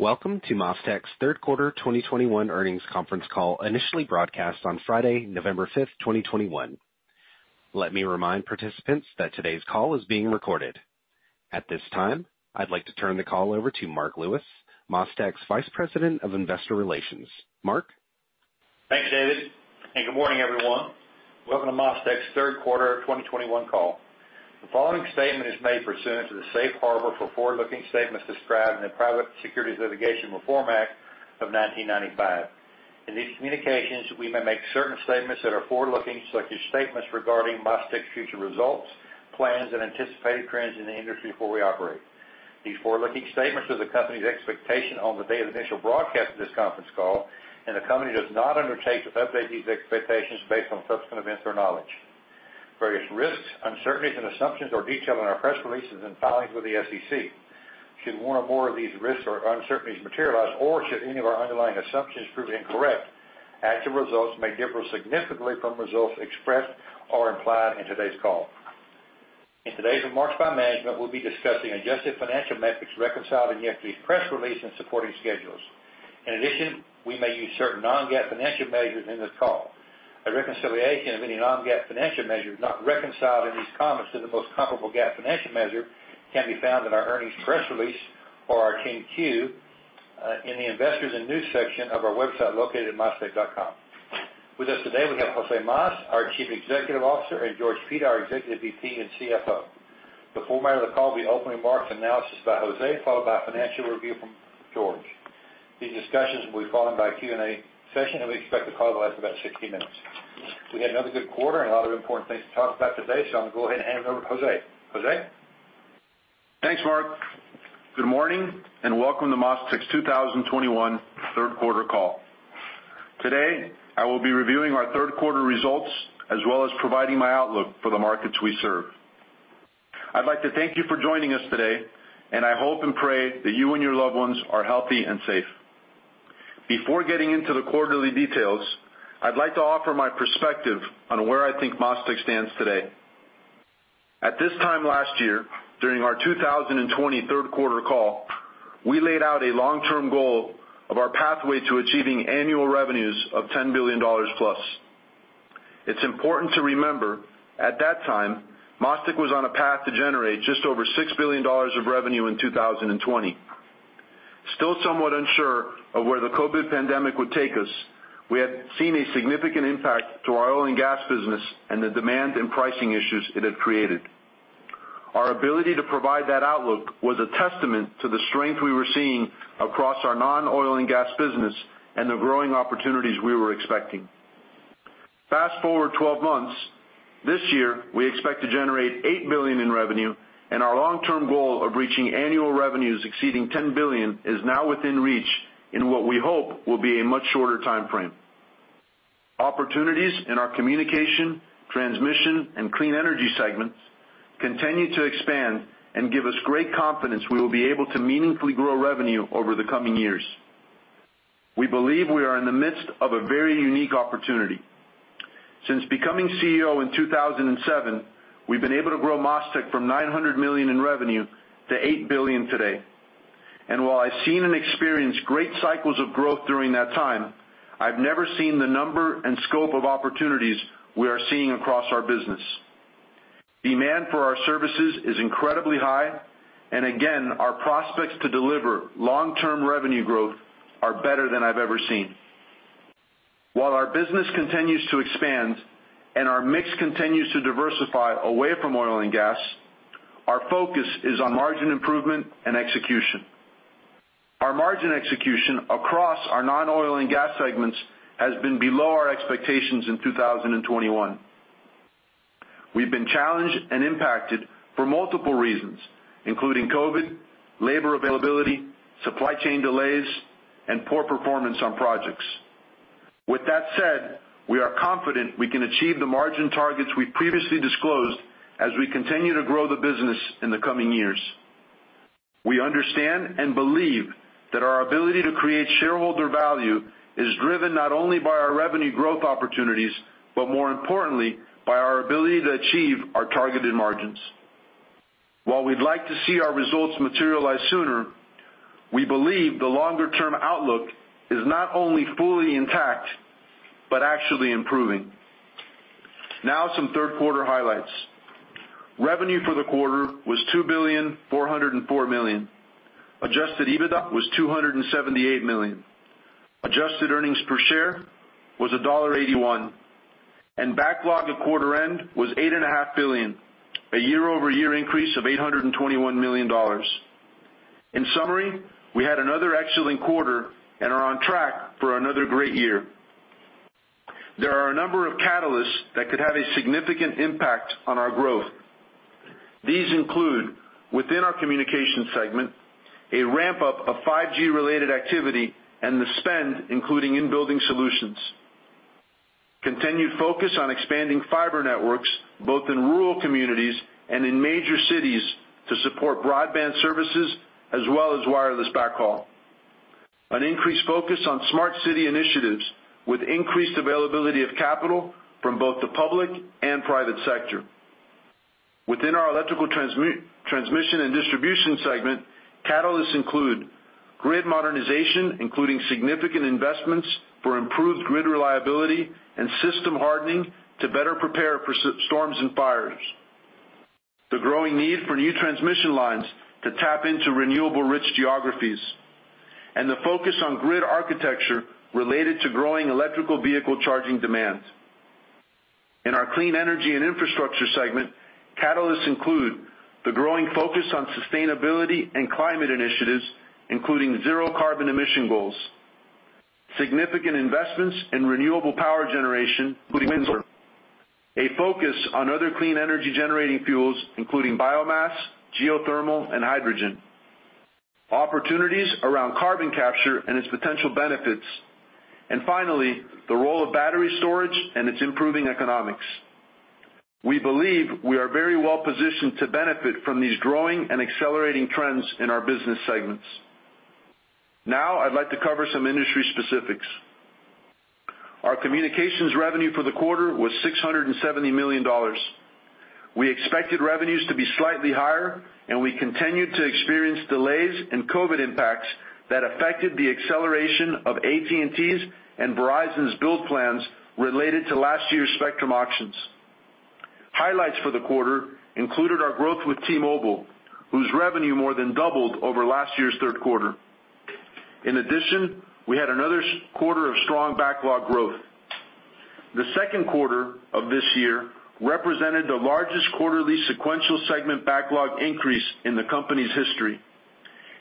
Welcome to MasTec's third quarter 2021 earnings conference call, initially broadcast on Friday, November five, 2021. Let me remind participants that today's call is being recorded. At this time, I'd like to turn the call over to Marc Lewis, MasTec's Vice President of Investor Relations. Mark? Thanks, David, and good morning, everyone. Welcome to MasTec's third quarter of 2021 call. The following statement is made pursuant to the safe harbor for forward-looking statements described in the Private Securities Litigation Reform Act of 1995. In these communications, we may make certain statements that are forward-looking, such as statements regarding MasTec's future results, plans, and anticipated trends in the industry where we operate. These forward-looking statements are the company's expectation on the day of initial broadcast of this conference call, and the company does not undertake to update these expectations based on subsequent events or knowledge. Various risks, uncertainties, and assumptions are detailed in our press releases and filings with the SEC. Should one or more of these risks or uncertainties materialize, or should any of our underlying assumptions prove incorrect, actual results may differ significantly from results expressed or implied in today's call. In today's remarks by management, we'll be discussing adjusted financial metrics reconciled in yesterday's press release and supporting schedules. In addition, we may use certain non-GAAP financial measures in this call. A reconciliation of any non-GAAP financial measures not reconciled in these comments to the most comparable GAAP financial measure can be found in our earnings press release or our 10-Q in the Investors and News section of our website located at mastec.com. With us today, we have Jose Mas, our Chief Executive Officer, and George Pita, our Executive VP and CFO. The format of the call will be opening remarks and analysis by Jose, followed by a financial review from George. These discussions will be followed by a Q&A session, and we expect the call to last about 60 minutes. We had another good quarter and a lot of important things to talk about today, so I'm gonna go ahead and hand it over to Jose. Jose? Thanks, Mark. Good morning, and welcome to MasTec's 2021 third quarter call. Today, I will be reviewing our third quarter results as well as providing my outlook for the markets we serve. I'd like to thank you for joining us today, and I hope and pray that you and your loved ones are healthy and safe. Before getting into the quarterly details, I'd like to offer my perspective on where I think MasTec stands today. At this time last year, during our 2020 third quarter call, we laid out a long-term goal of our pathway to achieving annual revenues of $10 billion-plus. It's important to remember, at that time, MasTec was on a path to generate just over $6 billion of revenue in 2020. Still somewhat unsure of where the COVID pandemic would take us, we had seen a significant impact to our oil and gas business and the demand and pricing issues it had created. Our ability to provide that outlook was a testament to the strength we were seeing across our non-oil and gas business and the growing opportunities we were expecting. Fast-forward 12 months, this year, we expect to generate $8 billion in revenue, and our long-term goal of reaching annual revenues exceeding $10 billion is now within reach in what we hope will be a much shorter timeframe. Opportunities in our communication, transmission, and clean energy segments continue to expand and give us great confidence we will be able to meaningfully grow revenue over the coming years. We believe we are in the midst of a very unique opportunity. Since becoming CEO in 2007, we've been able to grow MasTec from $900 million in revenue to $8 billion today. While I've seen and experienced great cycles of growth during that time, I've never seen the number and scope of opportunities we are seeing across our business. Demand for our services is incredibly high, and again, our prospects to deliver long-term revenue growth are better than I've ever seen. While our business continues to expand and our mix continues to diversify away from oil and gas, our focus is on margin improvement and execution. Our margin execution across our non-oil and gas segments has been below our expectations in 2021. We've been challenged and impacted for multiple reasons, including COVID, labor availability, supply chain delays, and poor performance on projects. With that said, we are confident we can achieve the margin targets we previously disclosed as we continue to grow the business in the coming years. We understand and believe that our ability to create shareholder value is driven not only by our revenue growth opportunities, but more importantly, by our ability to achieve our targeted margins. While we'd like to see our results materialize sooner, we believe the longer-term outlook is not only fully intact, but actually improving. Now, some third quarter highlights. Revenue for the quarter was $2.404 billion. Adjusted EBITDA was $278 million. Adjusted earnings per share was $1.81. Backlog at quarter end was $8.5 billion, a year-over-year increase of $821 million. In summary, we had another excellent quarter and are on track for another great year. There are a number of catalysts that could have a significant impact on our growth. These include, within our Communications segment, a ramp-up of 5G-related activity and the spend, including in-building solutions. Continued focus on expanding fiber networks, both in rural communities and in major cities to support broadband services as well as wireless backhaul. An increased focus on smart city initiatives with increased availability of capital from both the public and private sector. Within our Electrical Transmission and Distribution segment, catalysts include grid modernization, including significant investments for improved grid reliability and system hardening to better prepare for storms and fires, the growing need for new transmission lines to tap into renewable-rich geographies, and the focus on grid architecture related to growing electric vehicle charging demands. In our Clean Energy and Infrastructure segment, catalysts include the growing focus on sustainability and climate initiatives, including zero carbon emission goals, significant investments in renewable power generation, including wind farm, a focus on other clean energy generating fuels, including biomass, geothermal and hydrogen, opportunities around carbon capture and its potential benefits, and finally, the role of battery storage and its improving economics. We believe we are very well-positioned to benefit from these growing and accelerating trends in our business segments. Now, I'd like to cover some industry specifics. Our Communications revenue for the quarter was $670 million. We expected revenues to be slightly higher, and we continued to experience delays and COVID impacts that affected the acceleration of AT&T's and Verizon's build plans related to last year's spectrum auctions. Highlights for the quarter included our growth with T-Mobile, whose revenue more than doubled over last year's third quarter. In addition, we had another straight quarter of strong backlog growth. The second quarter of this year represented the largest quarterly sequential segment backlog increase in the company's history.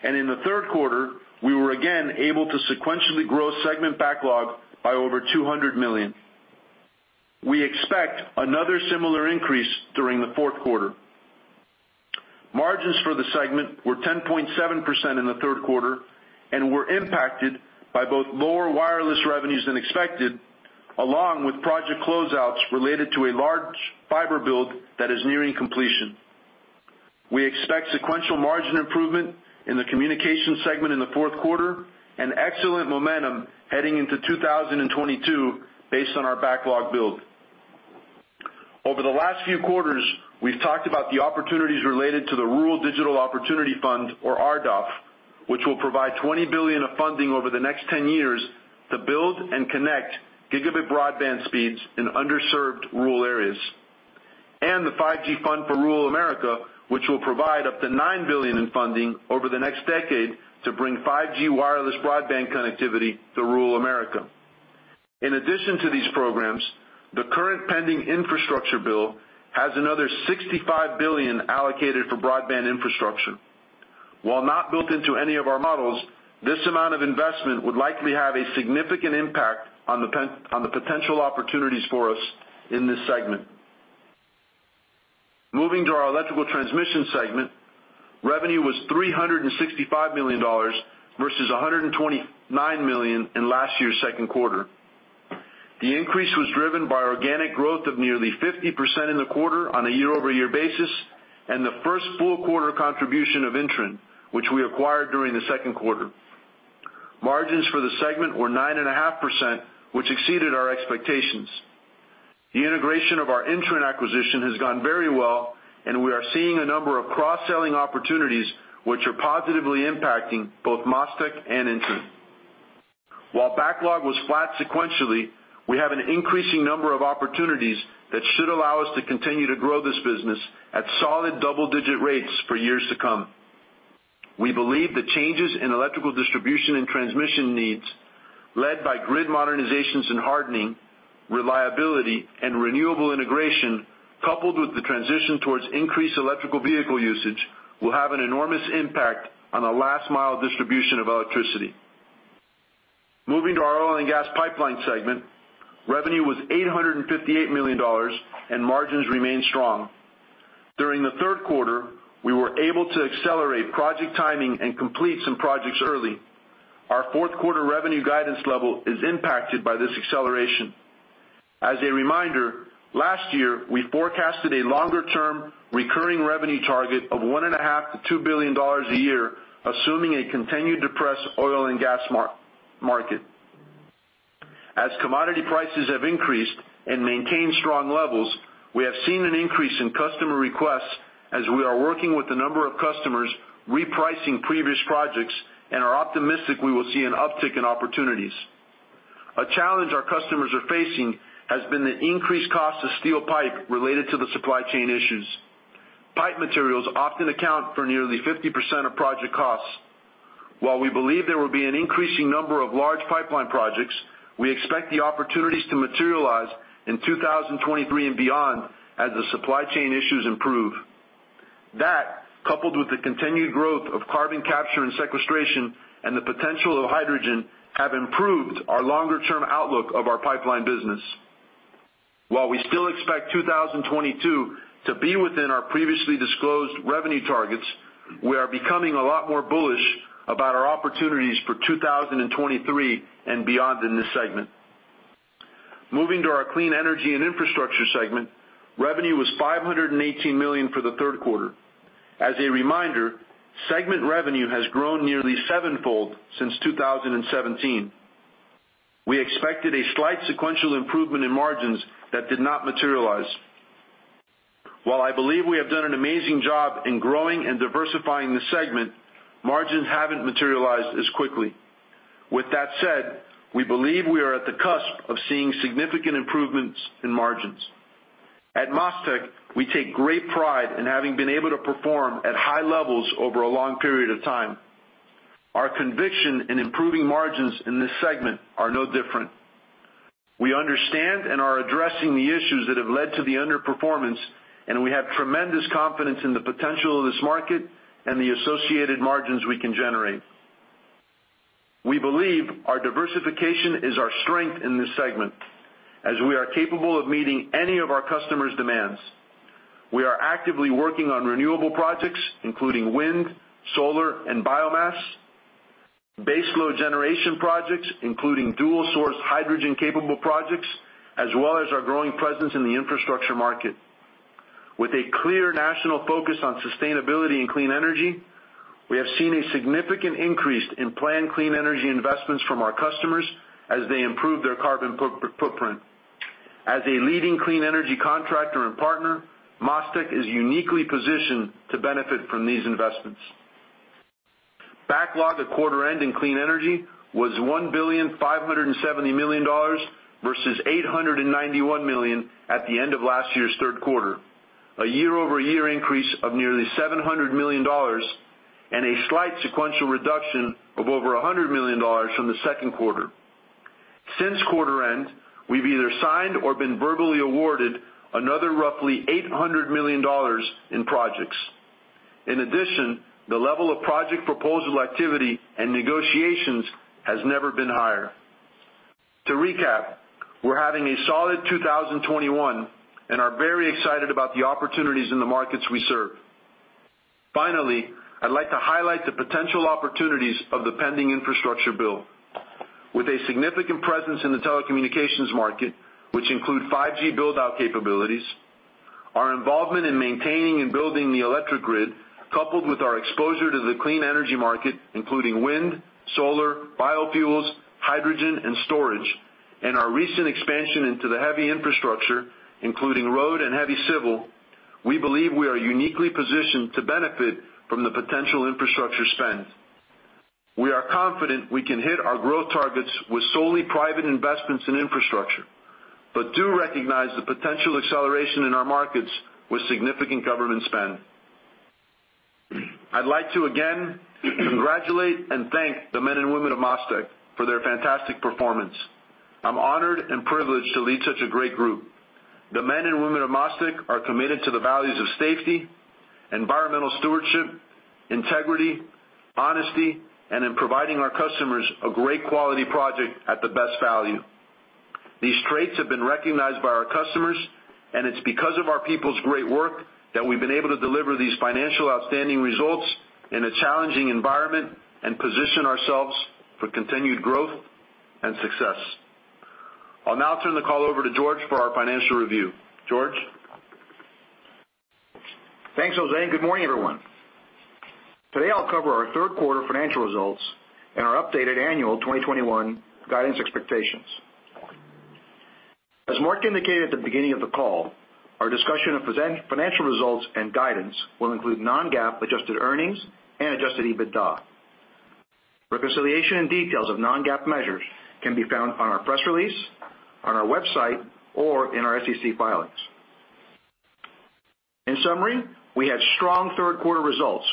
In the third quarter, we were again able to sequentially grow segment backlog by over $200 million. We expect another similar increase during the fourth quarter. Margins for the segment were 10.7% in the third quarter and were impacted by both lower wireless revenues than expected, along with project closeouts related to a large fiber build that is nearing completion. We expect sequential margin improvement in the communication segment in the fourth quarter and excellent momentum heading into 2022 based on our backlog build. Over the last few quarters, we've talked about the opportunities related to the Rural Digital Opportunity Fund, or RDOF, which will provide $20 billion of funding over the next 10 years to build and connect gigabit broadband speeds in underserved rural areas. The 5G Fund for Rural America, which will provide up to $9 billion in funding over the next decade to bring 5G wireless broadband connectivity to rural America. In addition to these programs, the current pending infrastructure bill has another $65 billion allocated for broadband infrastructure. While not built into any of our models, this amount of investment would likely have a significant impact on the potential opportunities for us in this segment. Moving to our electrical transmission segment, revenue was $365 million versus $129 million in last year's second quarter. The increase was driven by organic growth of nearly 50% in the quarter on a year-over-year basis and the first full quarter contribution of INTREN, which we acquired during the second quarter. Margins for the segment were 9.5%, which exceeded our expectations. The integration of our INTREN acquisition has gone very well, and we are seeing a number of cross-selling opportunities which are positively impacting both MasTec and INTREN. While backlog was flat sequentially, we have an increasing number of opportunities that should allow us to continue to grow this business at solid double-digit rates for years to come. We believe the changes in electrical distribution and transmission needs, led by grid modernizations and hardening, reliability, and renewable integration, coupled with the transition towards increased electric vehicle usage, will have an enormous impact on the last-mile distribution of electricity. Moving to our Oil and Gas Pipeline segment, revenue was $858 million, and margins remained strong. During the third quarter, we were able to accelerate project timing and complete some projects early. Our fourth quarter revenue guidance level is impacted by this acceleration. As a reminder, last year, we forecasted a longer-term recurring revenue target of $1.5 billion-$2 billion a year, assuming a continued depressed oil and gas market. As commodity prices have increased and maintained strong levels, we have seen an increase in customer requests as we are working with a number of customers repricing previous projects and are optimistic we will see an uptick in opportunities. A challenge our customers are facing has been the increased cost of steel pipe related to the supply chain issues. Pipe materials often account for nearly 50% of project costs. While we believe there will be an increasing number of large pipeline projects, we expect the opportunities to materialize in 2023 and beyond as the supply chain issues improve. That, coupled with the continued growth of carbon capture and sequestration and the potential of hydrogen, have improved our longer-term outlook of our Pipeline business. While we still expect 2022 to be within our previously disclosed revenue targets, we are becoming a lot more bullish about our opportunities for 2023 and beyond in this segment. Moving to our Clean Energy and Infrastructure segment, revenue was $518 million for the third quarter. As a reminder, segment revenue has grown nearly sevenfold since 2017. We expected a slight sequential improvement in margins that did not materialize. While I believe we have done an amazing job in growing and diversifying the segment, margins haven't materialized as quickly. With that said, we believe we are at the cusp of seeing significant improvements in margins. At MasTec, we take great pride in having been able to perform at high levels over a long period of time. Our conviction in improving margins in this segment are no different. We understand and are addressing the issues that have led to the underperformance, and we have tremendous confidence in the potential of this market and the associated margins we can generate. We believe our diversification is our strength in this segment, as we are capable of meeting any of our customers' demands. We are actively working on renewable projects, including wind, solar, and biomass, baseload generation projects, including dual-source hydrogen-capable projects, as well as our growing presence in the infrastructure market. With a clear national focus on sustainability and clean energy, we have seen a significant increase in planned clean energy investments from our customers as they improve their carbon footprint. As a leading clean energy contractor and partner, MasTec is uniquely positioned to benefit from these investments. Backlog at quarter end in clean energy was $1.57 billion versus $891 million at the end of last year's third quarter. A year-over-year increase of nearly $700 million and a slight sequential reduction of over $100 million from the second quarter. Since quarter end, we've either signed or been verbally awarded another roughly $800 million in projects. In addition, the level of project proposal activity and negotiations has never been higher. To recap, we're having a solid 2021 and are very excited about the opportunities in the markets we serve. Finally, I'd like to highlight the potential opportunities of the pending infrastructure bill. With a significant presence in the telecommunications market, which include 5G build-out capabilities, our involvement in maintaining and building the electric grid, coupled with our exposure to the clean energy market, including wind, solar, biofuels, hydrogen, and storage, and our recent expansion into the heavy infrastructure, including road and heavy civil, we believe we are uniquely positioned to benefit from the potential infrastructure spend. We are confident we can hit our growth targets with solely private investments in infrastructure, but do recognize the potential acceleration in our markets with significant government spend. I'd like to again congratulate and thank the men and women of MasTec for their fantastic performance. I'm honored and privileged to lead such a great group. The men and women of MasTec are committed to the values of safety, environmental stewardship, integrity, honesty, and in providing our customers a great quality project at the best value. These traits have been recognized by our customers, and it's because of our people's great work that we've been able to deliver these financial outstanding results in a challenging environment and position ourselves for continued growth and success. I'll now turn the call over to George for our financial review. George? Thanks, Jose, and good morning, everyone. Today, I'll cover our third quarter financial results and our updated annual 2021 guidance expectations. As Mark indicated at the beginning of the call, our discussion of financial results and guidance will include non-GAAP adjusted earnings and adjusted EBITDA. Reconciliation and details of non-GAAP measures can be found on our press release, on our website, or in our SEC filings. In summary, we had strong third quarter results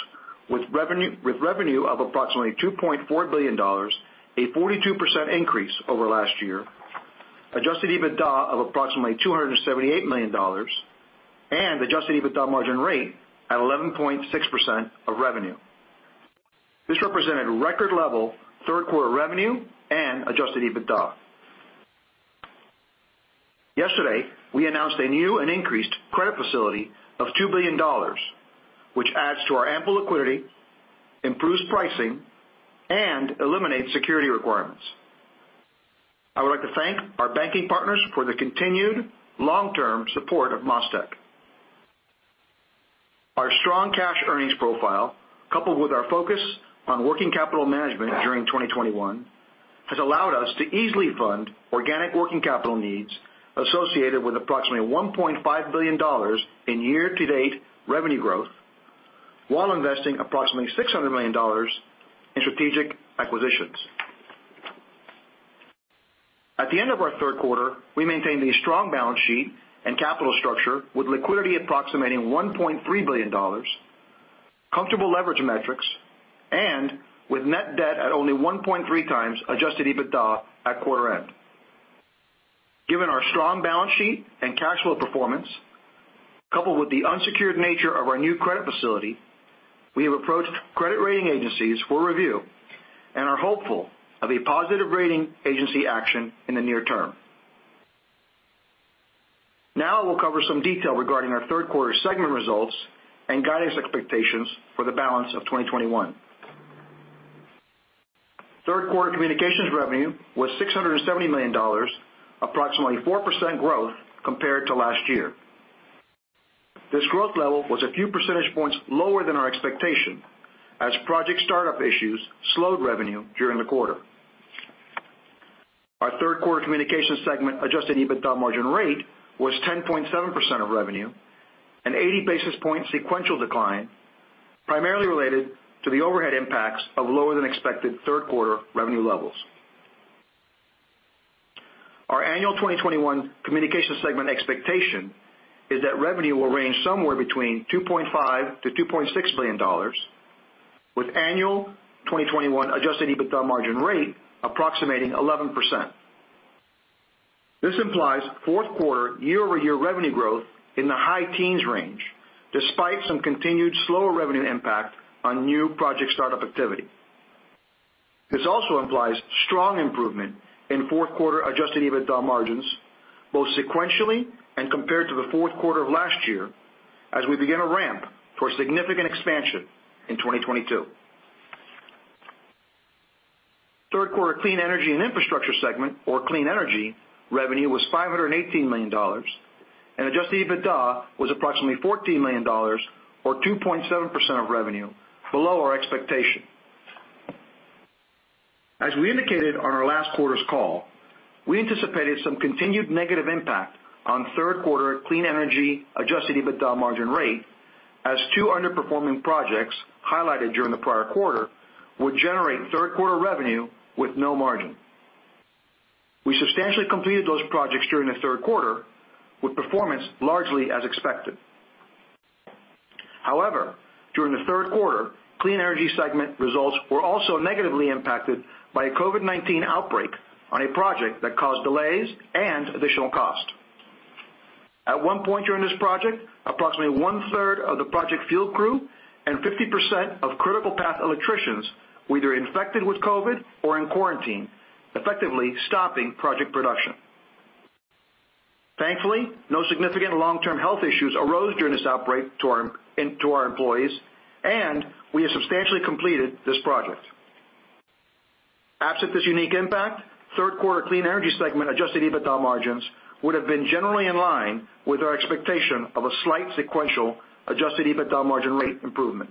with revenue of approximately $2.4 billion, a 42% increase over last year, adjusted EBITDA of approximately $278 million, and adjusted EBITDA margin rate at 11.6% of revenue. This represented record level third quarter revenue and adjusted EBITDA. Yesterday, we announced a new and increased credit facility of $2 billion, which adds to our ample liquidity, improves pricing, and eliminates security requirements. I would like to thank our banking partners for the continued long-term support of MasTec. Our strong cash earnings profile, coupled with our focus on working capital management during 2021, has allowed us to easily fund organic working capital needs associated with approximately $1.5 billion in year-to-date revenue growth while investing approximately $600 million in strategic acquisitions. At the end of our third quarter, we maintained a strong balance sheet and capital structure with liquidity approximating $1.3 billion, comfortable leverage metrics, and with net debt at only 1.3 times adjusted EBITDA at quarter end. Given our strong balance sheet and cash flow performance, coupled with the unsecured nature of our new credit facility, we have approached credit rating agencies for review and are hopeful of a positive rating agency action in the near term. Now we'll cover some detail regarding our third quarter segment results and guidance expectations for the balance of 2021. Third quarter communications revenue was $670 million, approximately 4% growth compared to last year. This growth level was a few percentage points lower than our expectation, as project startup issues slowed revenue during the quarter. Our third quarter communications segment adjusted EBITDA margin rate was 10.7% of revenue, an 80 basis point sequential decline, primarily related to the overhead impacts of lower than expected third quarter revenue levels. Our annual 2021 communication segment expectation is that revenue will range somewhere between $2.5 billion-$2.6 billion, with annual 2021 adjusted EBITDA margin rate approximating 11%. This implies fourth quarter year-over-year revenue growth in the high teens range, despite some continued slower revenue impact on new project startup activity. This also implies strong improvement in fourth quarter adjusted EBITDA margins, both sequentially and compared to the fourth quarter of last year, as we begin a ramp for significant expansion in 2022. Third quarter Clean Energy and Infrastructure segment, or Clean Energy, revenue was $518 million. Adjusted EBITDA was approximately $14 million or 2.7% of revenue below our expectation. As we indicated on our last quarter's call, we anticipated some continued negative impact on third quarter clean energy adjusted EBITDA margin rate, as two underperforming projects highlighted during the prior quarter would generate third quarter revenue with no margin. We substantially completed those projects during the third quarter, with performance largely as expected. However, during the third quarter, clean energy segment results were also negatively impacted by a COVID-19 outbreak on a project that caused delays and additional cost. At one point during this project, approximately one-third of the project field crew and 50 of critical path electricians were either infected with COVID or in quarantine, effectively stopping project production. Thankfully, no significant long-term health issues arose during this outbreak to our employees, and we have substantially completed this project. Absent this unique impact, third quarter clean energy segment adjusted EBITDA margins would have been generally in line with our expectation of a slight sequential adjusted EBITDA margin rate improvement.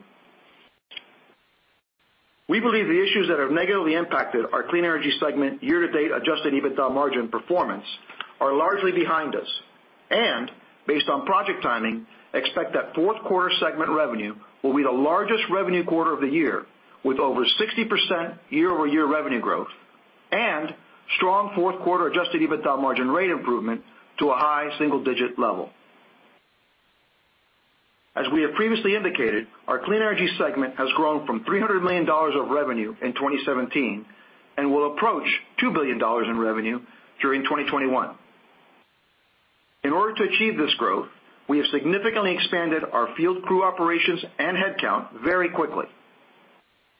We believe the issues that have negatively impacted our clean energy segment year-to-date adjusted EBITDA margin performance are largely behind us. Based on project timing, expect that fourth quarter segment revenue will be the largest revenue quarter of the year, with over 60% year-over-year revenue growth and strong fourth quarter adjusted EBITDA margin rate improvement to a high single-digit level. As we have previously indicated, our Clean Energy segment has grown from $300 million of revenue in 2017 and will approach $2 billion in revenue during 2021. In order to achieve this growth, we have significantly expanded our field crew operations and headcount very quickly.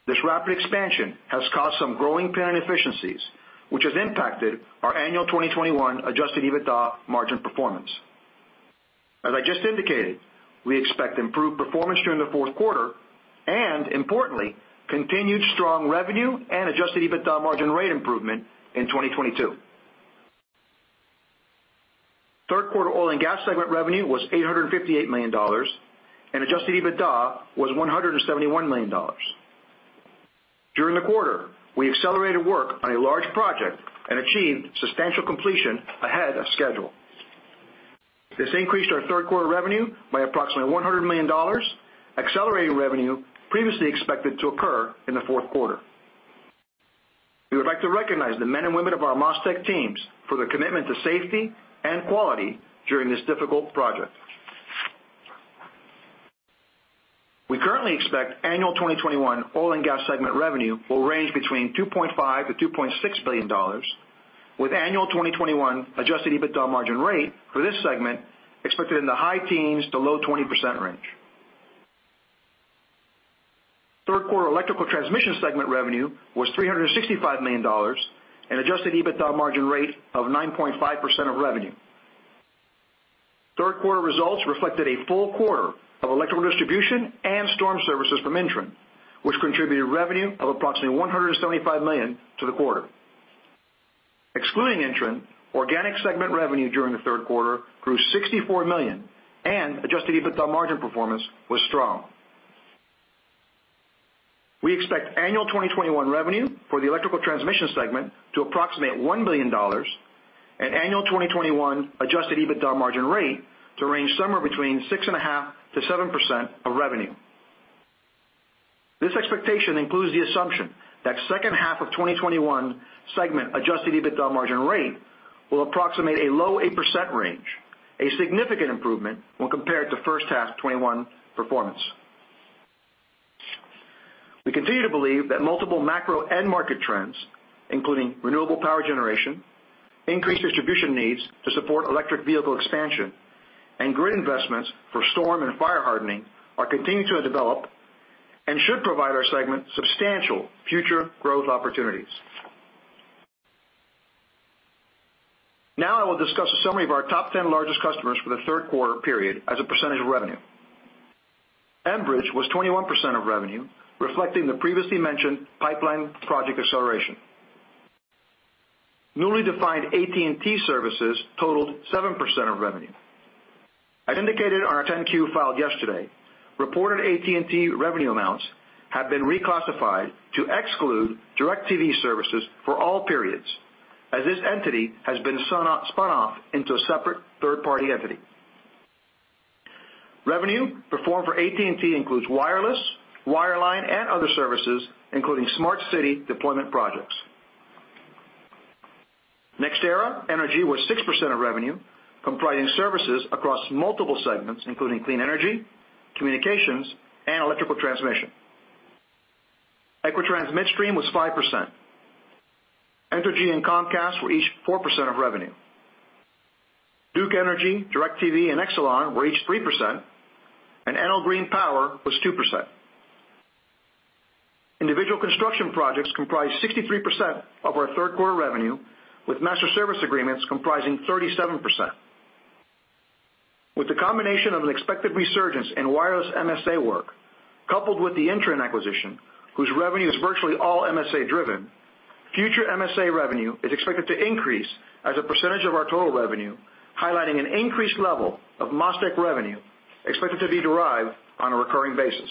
This rapid expansion has caused some growing pains inefficiencies, which has impacted our annual 2021 adjusted EBITDA margin performance. As I just indicated, we expect improved performance during the fourth quarter and importantly, continued strong revenue and adjusted EBITDA margin rate improvement in 2022. Third quarter oil and gas segment revenue was $858 million, and adjusted EBITDA was $171 million. During the quarter, we accelerated work on a large project and achieved substantial completion ahead of schedule. This increased our third quarter revenue by approximately $100 million, accelerating revenue previously expected to occur in the fourth quarter. We would like to recognize the men and women of our MasTec teams for their commitment to safety and quality during this difficult project. We currently expect annual 2021 oil and gas segment revenue will range between $2.5 billion-$2.6 billion, with annual 2021 adjusted EBITDA margin rate for this segment expected in the high teens to low 20% range. Third quarter Electrical Transmission segment revenue was $365 million, an adjusted EBITDA margin rate of 9.5% of revenue. Third quarter results reflected a full quarter of electrical distribution and storm services from Intren, which contributed revenue of approximately $175 million to the quarter. Excluding Intren, organic segment revenue during the third quarter grew $64 million, and adjusted EBITDA margin performance was strong. We expect annual 2021 revenue for the Electrical Transmission segment to approximate $1 billion, and annual 2021 adjusted EBITDA margin rate to range somewhere between 6.5%-7% of revenue. This expectation includes the assumption that second half of 2021 segment adjusted EBITDA margin rate will approximate a low 8% range, a significant improvement when compared to first half 2021 performance. We continue to believe that multiple macro end market trends, including renewable power generation, increased distribution needs to support electric vehicle expansion, and grid investments for storm and fire hardening are continuing to develop and should provide our segment substantial future growth opportunities. Now I will discuss a summary of our top 10 largest customers for the third quarter period as a percentage of revenue. Enbridge was 21% of revenue, reflecting the previously mentioned pipeline project acceleration. Newly defined AT&T services totaled 7% of revenue. As indicated on our 10-Q filed yesterday, reported AT&T revenue amounts have been reclassified to exclude DIRECTV services for all periods, as this entity has been spun off into a separate third-party entity. Revenue performed for AT&T includes wireless, wireline and other services, including smart city deployment projects. NextEra Energy was 6% of revenue, comprising services across multiple segments, including clean energy, communications, and electrical transmission. Equitrans Midstream was 5%. Entergy and Comcast were each 4% of revenue. Duke Energy, DIRECTV, and Exelon were each 3%, and Enel Green Power was 2%. Individual construction projects comprise 63% of our third quarter revenue, with master service agreements comprising 37%. With the combination of an expected resurgence in wireless MSA work, coupled with the INTREN acquisition, whose revenue is virtually all MSA-driven, future MSA revenue is expected to increase as a percentage of our total revenue, highlighting an increased level of MasTec revenue expected to be derived on a recurring basis.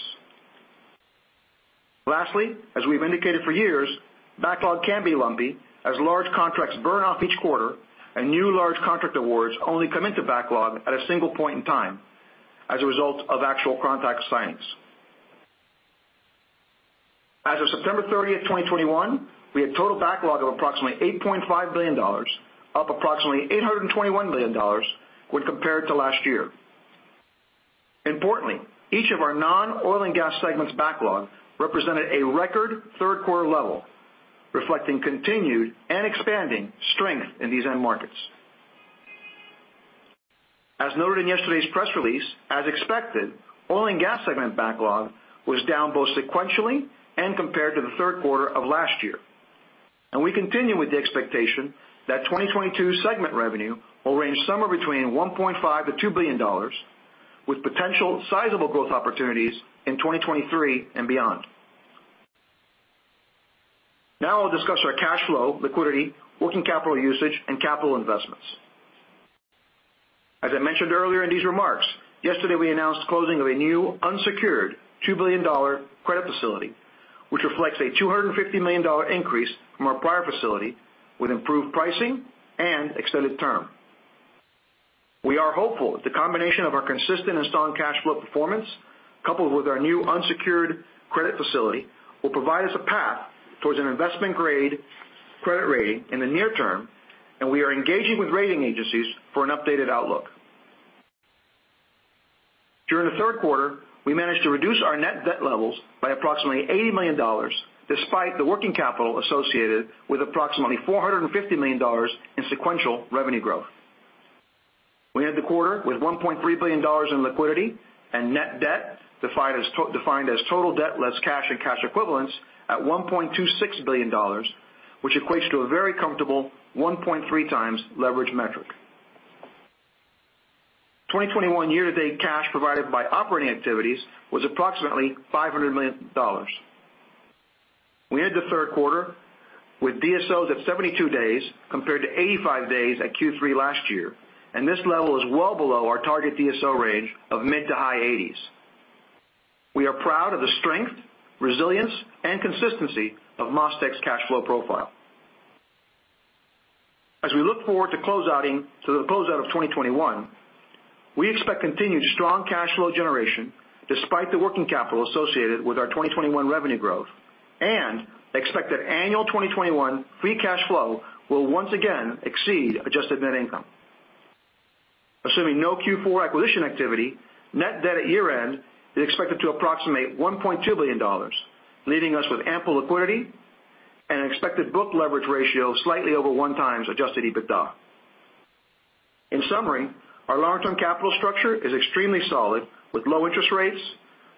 Lastly, as we've indicated for years, backlog can be lumpy as large contracts burn off each quarter and new large contract awards only come into backlog at a single point in time as a result of actual contract signings. As of September 30, 2021, we had total backlog of approximately $8.5 billion, up approximately $821 million when compared to last year. Importantly, each of our non-oil and gas segments backlog represented a record third quarter level, reflecting continued and expanding strength in these end markets. As noted in yesterday's press release, as expected, oil and gas segment backlog was down both sequentially and compared to the third quarter of last year. We continue with the expectation that 2022 segment revenue will range somewhere between $1.5 billion-$2 billion, with potential sizable growth opportunities in 2023 and beyond. Now I'll discuss our cash flow, liquidity, working capital usage, and capital investments. As I mentioned earlier in these remarks, yesterday we announced closing of a new unsecured $2 billion credit facility, which reflects a $250 million increase from our prior facility with improved pricing and extended term. We are hopeful that the combination of our consistent and strong cash flow performance, coupled with our new unsecured credit facility, will provide us a path towards an investment-grade credit rating in the near term, and we are engaging with rating agencies for an updated outlook. During the third quarter, we managed to reduce our net debt levels by approximately $80 million, despite the working capital associated with approximately $450 million in sequential revenue growth. We ended the quarter with $1.3 billion in liquidity and net debt defined as total debt less cash and cash equivalents at $1.26 billion, which equates to a very comfortable 1.3x leverage metric. 2021 year-to-date cash provided by operating activities was approximately $500 million. We ended the third quarter with DSOs at 72 days, compared to 85 days at Q3 last year. This level is well below our target DSO range of mid- to high-80s. We are proud of the strength, resilience, and consistency of MasTec's cash flow profile. As we look forward to the closeout of 2021, we expect continued strong cash flow generation despite the working capital associated with our 2021 revenue growth, and expect that annual 2021 free cash flow will once again exceed adjusted net income. Assuming no Q4 acquisition activity, net debt at year-end is expected to approximate $1.2 billion, leaving us with ample liquidity and an expected book leverage ratio slightly over 1x adjusted EBITDA. In summary, our long-term capital structure is extremely solid with low interest rates,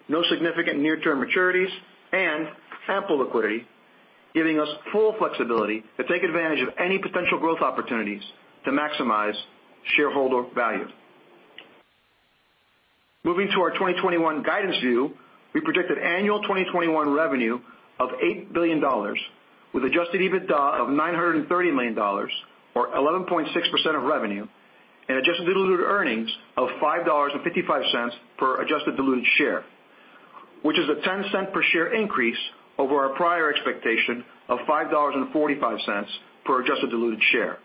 no significant near-term maturities, and ample liquidity, giving us full flexibility to take advantage of any potential growth opportunities to maximize shareholder value. Moving to our 2021 guidance view, we predict an annual 2021 revenue of $8 billion with adjusted EBITDA of $930 million or 11.6% of revenue, and adjusted diluted earnings of $5.55 per adjusted diluted share, which is a $0.10 per share increase over our prior expectation of $5.45 per adjusted diluted share.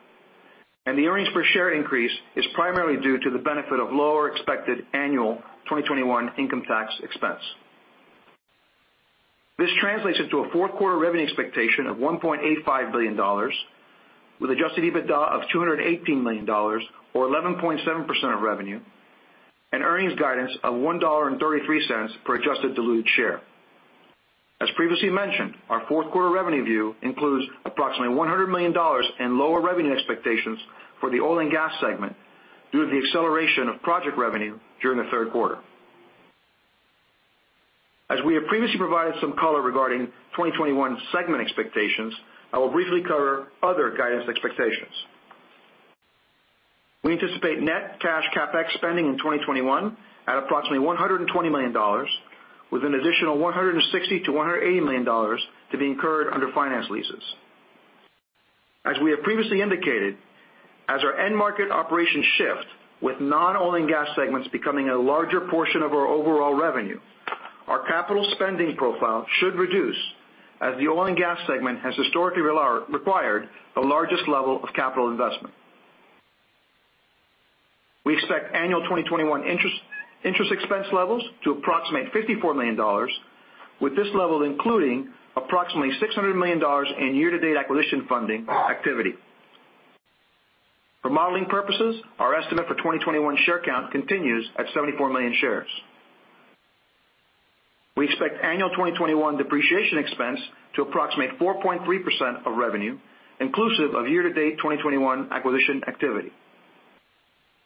The earnings per share increase is primarily due to the benefit of lower expected annual 2021 income tax expense. This translates into a fourth quarter revenue expectation of $1.85 billion with adjusted EBITDA of $218 million or 11.7% of revenue, and earnings guidance of $1.33 per adjusted diluted share. As previously mentioned, our fourth quarter revenue view includes approximately $100 million in lower revenue expectations for the oil and gas segment due to the acceleration of project revenue during the third quarter. As we have previously provided some color regarding 2021 segment expectations, I will briefly cover other guidance expectations. We anticipate net cash CapEx spending in 2021 at approximately $120 million with an additional $160 million-$180 million to be incurred under finance leases. As we have previously indicated, as our end market operations shift, with non-oil and gas segments becoming a larger portion of our overall revenue, our capital spending profile should reduce as the oil and gas segment has historically required the largest level of capital investment. We expect annual 2021 interest expense levels to approximate $54 million, with this level including approximately $600 million in year-to-date acquisition funding activity. For modeling purposes, our estimate for 2021 share count continues at 74 million shares. We expect annual 2021 depreciation expense to approximate 4.3% of revenue, inclusive of year-to-date 2021 acquisition activity.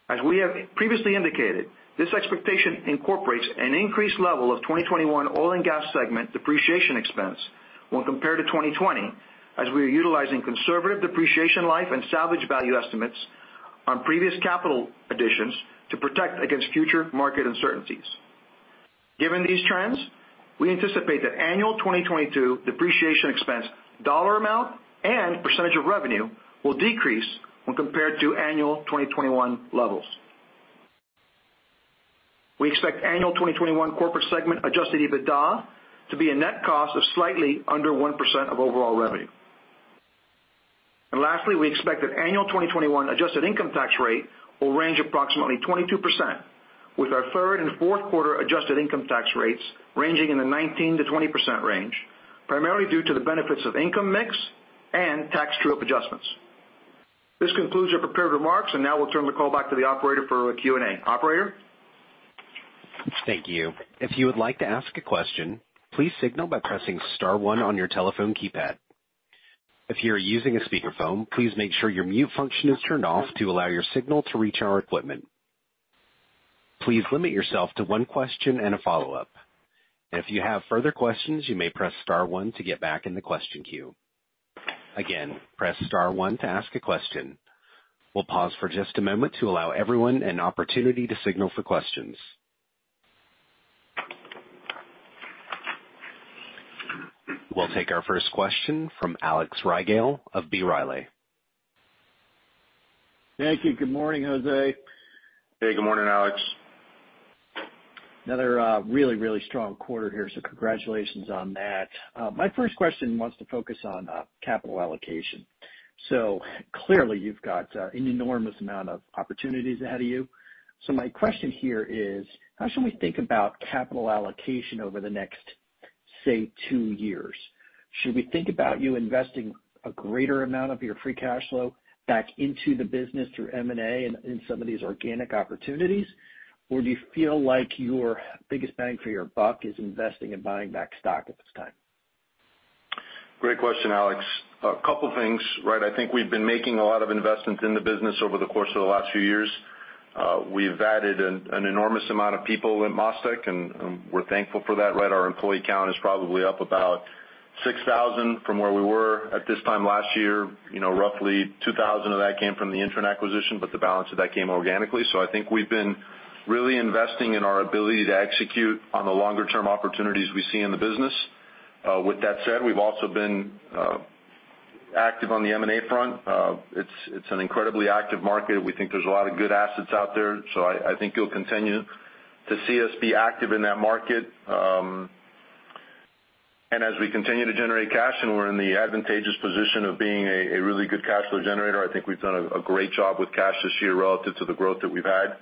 As we have previously indicated, this expectation incorporates an increased level of 2021 oil and gas segment depreciation expense when compared to 2020, as we are utilizing conservative depreciation life and salvage value estimates on previous capital additions to protect against future market uncertainties. Given these trends, we anticipate that annual 2022 depreciation expense dollar amount and percentage of revenue will decrease when compared to annual 2021 levels. We expect annual 2021 corporate segment adjusted EBITDA to be a net cost of slightly under 1% of overall revenue. Lastly, we expect that annual 2021 adjusted income tax rate will range approximately 22%, with our third and fourth quarter adjusted income tax rates ranging in the 19%-20% range, primarily due to the benefits of income mix and tax true-up adjustments. This concludes our prepared remarks, and now we'll turn the call back to the operator for Q&A. Operator? Thank you. If you would like to ask a question, please signal by pressing star one on your telephone keypad. If you are using a speakerphone, please make sure your mute function is turned off to allow your signal to reach our equipment. Please limit yourself to one question and a follow-up. If you have further questions, you may press star one to get back in the question queue. Again, press star one to ask a question. We'll pause for just a moment to allow everyone an opportunity to signal for questions. We'll take our first question from Alex Rygiel of B. Riley. Thank you. Good morning, Jose. Hey, good morning, Alex. Another really, really strong quarter here, so congratulations on that. My first question wants to focus on capital allocation. Clearly, you've got an enormous amount of opportunities ahead of you. My question here is, how should we think about capital allocation over the next, say, two years? Should we think about you investing a greater amount of your free cash flow back into the business through M&A and in some of these organic opportunities? Do you feel like your biggest bang for your buck is investing in buying back stock at this time? Great question, Alex. A couple of things, right? I think we've been making a lot of investments in the business over the course of the last few years. We've added an enormous amount of people in MasTec, and we're thankful for that. Right? Our employee count is probably up about 6,000 from where we were at this time last year. You know, roughly 2,000 of that came from the INTREN acquisition, but the balance of that came organically. I think we've been really investing in our ability to execute on the longer-term opportunities we see in the business. With that said, we've also been active on the M&A front. It's an incredibly active market. We think there's a lot of good assets out there. I think you'll continue to see us be active in that market. As we continue to generate cash, and we're in the advantageous position of being a really good cash flow generator, I think we've done a great job with cash this year relative to the growth that we've had.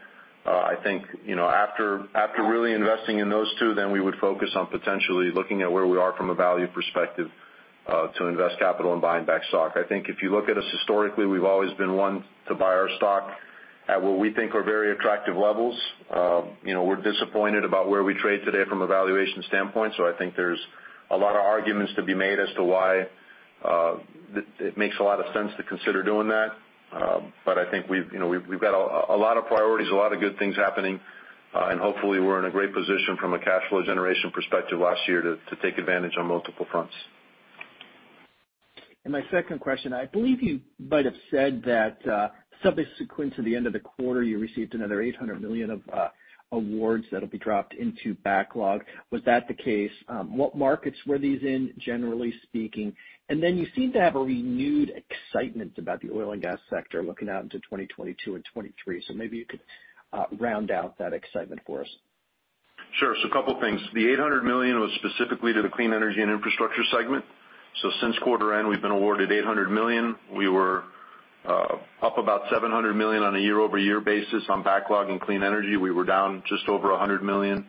I think, you know, after really investing in those two, then we would focus on potentially looking at where we are from a value perspective to invest capital and buying back stock. I think if you look at us historically, we've always been one to buy our stock at what we think are very attractive levels. You know, we're disappointed about where we trade today from a valuation standpoint, so I think there's a lot of arguments to be made as to why it makes a lot of sense to consider doing that. I think we've, you know, got a lot of priorities, a lot of good things happening, and hopefully, we're in a great position from a cash flow generation perspective last year to take advantage on multiple fronts. My second question, I believe you might have said that, subsequent to the end of the quarter, you received another $800 million of awards that'll be dropped into backlog. Was that the case? What markets were these in, generally speaking? You seem to have a renewed excitement about the oil and gas sector looking out into 2022 and 2023. Maybe you could round out that excitement for us. Sure. A couple of things. The $800 million was specifically to the Clean Energy and Infrastructure segment. Since quarter end, we've been awarded $800 million. We were up about $700 million on a year-over-year basis on backlog and clean energy. We were down just over $100 million,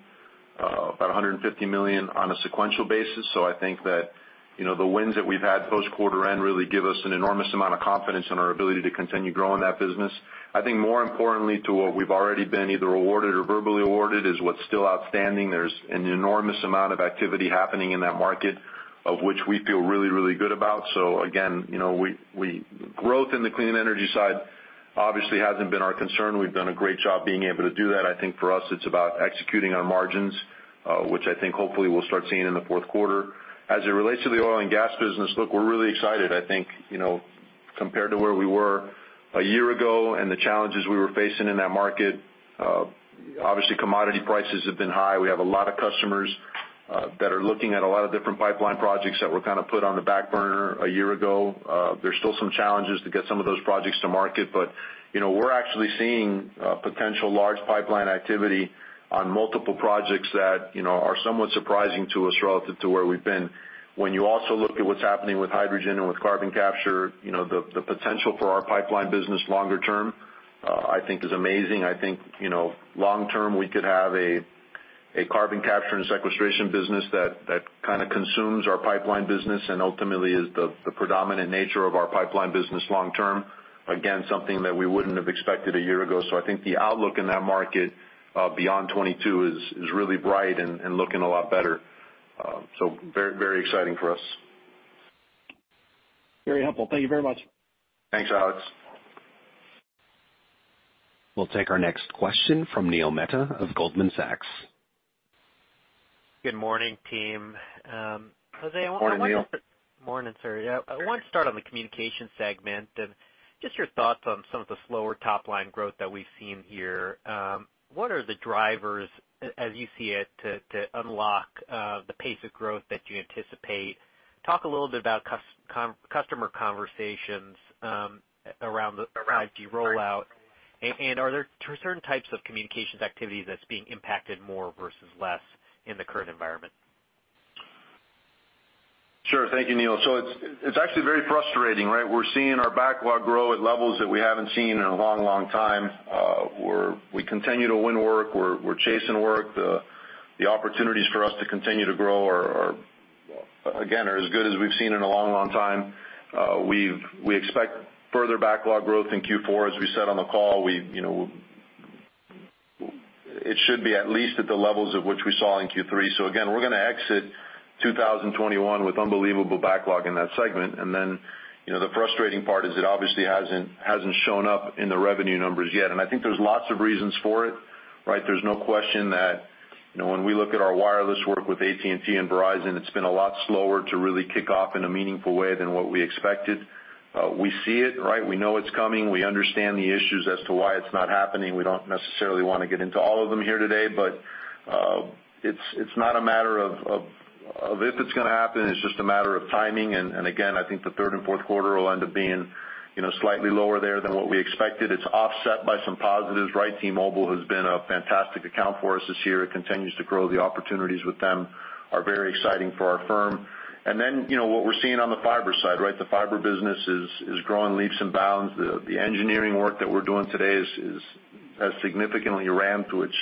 about $150 million on a sequential basis. I think that, you know, the wins that we've had post-quarter end really give us an enormous amount of confidence in our ability to continue growing that business. I think more importantly to what we've already been either awarded or verbally awarded is what's still outstanding. There's an enormous amount of activity happening in that market of which we feel really, really good about. Again, you know, growth in the clean energy side obviously hasn't been our concern. We've done a great job being able to do that. I think for us, it's about executing on margins, which I think hopefully we'll start seeing in the fourth quarter. As it relates to the oil and gas business, look, we're really excited. I think, you know, compared to where we were a year ago and the challenges we were facing in that market, obviously commodity prices have been high. We have a lot of customers that are looking at a lot of different pipeline projects that were kinda put on the back burner a year ago. There's still some challenges to get some of those projects to market, but, you know, we're actually seeing potential large pipeline activity on multiple projects that, you know, are somewhat surprising to us relative to where we've been. When you also look at what's happening with hydrogen and with carbon capture, you know, the potential for our pipeline business longer term, I think is amazing. I think, you know, long term, we could have a carbon capture and sequestration business that kinda consumes our pipeline business and ultimately is the predominant nature of our pipeline business long term. Again, something that we wouldn't have expected a year ago. I think the outlook in that market, beyond 2022 is really bright and looking a lot better. Very, very exciting for us. Very helpful. Thank you very much. Thanks, Alex. We'll take our next question from Neil Mehta of Goldman Sachs. Good morning, team. José- Good morning, Neil. Morning, sir. Yeah, I wanted to start on the Communications segment and just your thoughts on some of the slower top-line growth that we've seen here. What are the drivers as you see it to unlock the pace of growth that you anticipate? Talk a little bit about customer conversations around the 5G rollout. Are there certain types of communications activity that's being impacted more versus less in the current environment? Sure. Thank you, Neil. It's actually very frustrating, right? We're seeing our backlog grow at levels that we haven't seen in a long, long time. We continue to win work, we're chasing work. The opportunities for us to continue to grow are again as good as we've seen in a long, long time. We expect further backlog growth in Q4, as we said on the call. You know, it should be at least at the levels of which we saw in Q3. Again, we're gonna exit 2021 with unbelievable backlog in that segment. You know, the frustrating part is it obviously hasn't shown up in the revenue numbers yet. I think there's lots of reasons for it, right? There's no question that, you know, when we look at our wireless work with AT&T and Verizon, it's been a lot slower to really kick off in a meaningful way than what we expected. We see it, right? We know it's coming. We understand the issues as to why it's not happening. We don't necessarily wanna get into all of them here today, but it's not a matter of if it's gonna happen. It's just a matter of timing, and again, I think the third and fourth quarter will end up being, you know, slightly lower there than what we expected. It's offset by some positives, right? T-Mobile has been a fantastic account for us this year. It continues to grow. The opportunities with them are very exciting for our firm. Then, you know, what we're seeing on the fiber side, right? The fiber business is growing leaps and bounds. The engineering work that we're doing today has significantly ramped, which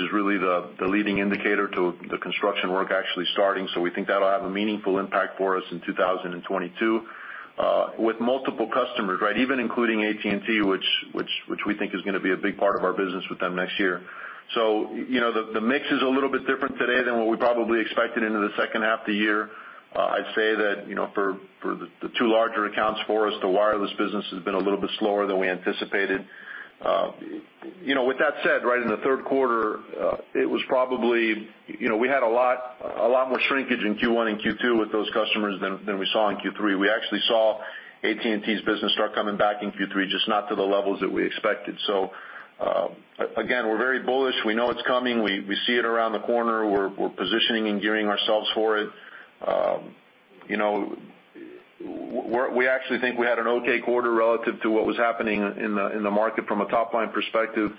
is really the leading indicator to the construction work actually starting. We think that'll have a meaningful impact for us in 2022 with multiple customers, right? Even including AT&T, which we think is gonna be a big part of our business with them next year. You know, the mix is a little bit different today than what we probably expected into the second half of the year. I'd say that you know, for the two larger accounts for us, the wireless business has been a little bit slower than we anticipated. You know, with that said, right, in the third quarter, it was probably. You know, we had a lot more shrinkage in Q1 and Q2 with those customers than we saw in Q3. We actually saw AT&T's business start coming back in Q3, just not to the levels that we expected. We're very bullish. We know it's coming. We see it around the corner. We're positioning and gearing ourselves for it. We actually think we had an okay quarter relative to what was happening in the market from a top-line perspective.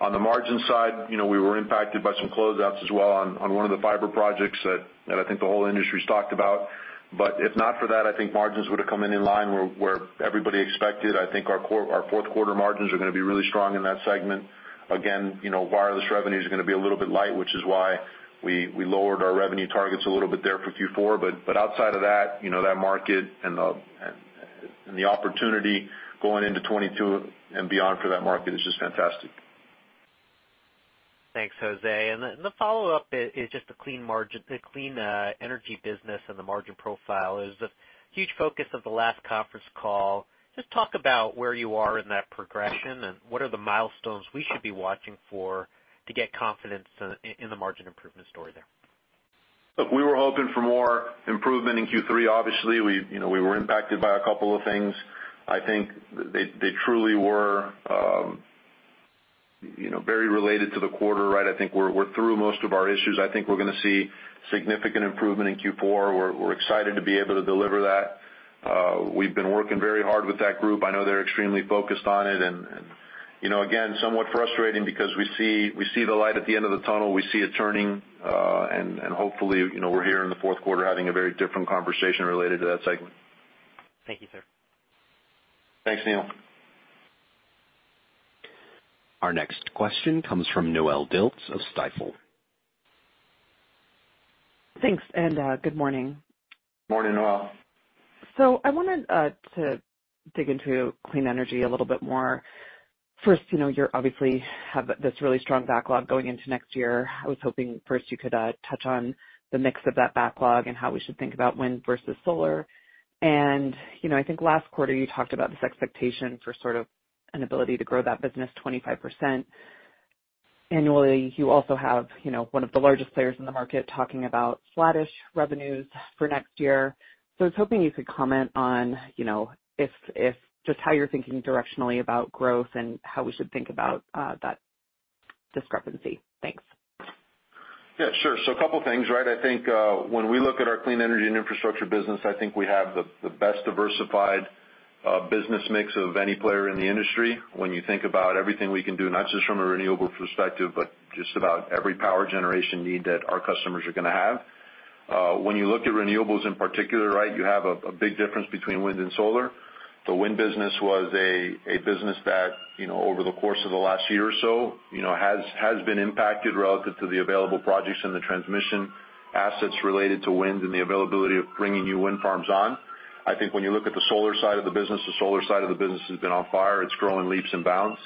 On the margin side, you know, we were impacted by some closeouts as well on one of the fiber projects that I think the whole industry's talked about. If not for that, I think margins would've come in in line where everybody expected. I think our fourth quarter margins are gonna be really strong in that segment. Again, you know, wireless revenue is gonna be a little bit light, which is why we lowered our revenue targets a little bit there for Q4. Outside of that, you know, that market and the opportunity going into 2022 and beyond for that market is just fantastic. Thanks, Jose. The follow-up is just the clean margin, the clean energy business and the margin profile is a huge focus of the last conference call. Just talk about where you are in that progression and what are the milestones we should be watching for to get confidence in the margin improvement story there. Look, we were hoping for more improvement in Q3, obviously. We, you know, were impacted by a couple of things. I think they truly were, you know, very related to the quarter, right? I think we're through most of our issues. I think we're gonna see significant improvement in Q4. We're excited to be able to deliver that. We've been working very hard with that group. I know they're extremely focused on it and, you know, again, somewhat frustrating because we see the light at the end of the tunnel. We see it turning, and hopefully, you know, we're here in the fourth quarter having a very different conversation related to that segment. Thank you, sir. Thanks, Neil. Our next question comes from Noelle Dilts of Stifel. Thanks, and good morning. Morning, Noelle. I wanted to dig into clean energy a little bit more. First, you know, you obviously have this really strong backlog going into next year. I was hoping first you could touch on the mix of that backlog and how we should think about wind versus solar. You know, I think last quarter you talked about this expectation for sort of an ability to grow that business 25% annually. You also have, you know, one of the largest players in the market talking about flattish revenues for next year. I was hoping you could comment on, you know, if just how you're thinking directionally about growth and how we should think about that discrepancy. Thanks. Yeah, sure. A couple things, right? I think, when we look at our clean energy and infrastructure business, I think we have the best diversified business mix of any player in the industry when you think about everything we can do, not just from a renewables perspective, but just about every power generation need that our customers are gonna have. When you look at renewables in particular, right, you have a big difference between wind and solar. The wind business was a business that, you know, over the course of the last year or so, you know, has been impacted relative to the available projects and the transmission assets related to wind and the availability of bringing new wind farms on. I think when you look at the solar side of the business, the solar side of the business has been on fire. It's growing leaps and bounds.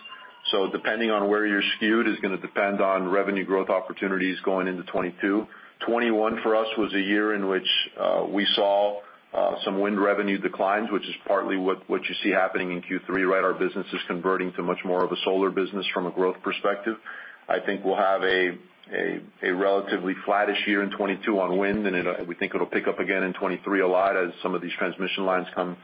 Depending on where you're skewed is gonna depend on revenue growth opportunities going into 2022. 2021 for us was a year in which we saw some wind revenue declines, which is partly what you see happening in Q3, right? Our business is converting to much more of a solar business from a growth perspective. I think we'll have a relatively flattish year in 2022 on wind, and we think it'll pick up again in 2023 a lot as some of these transmission lines come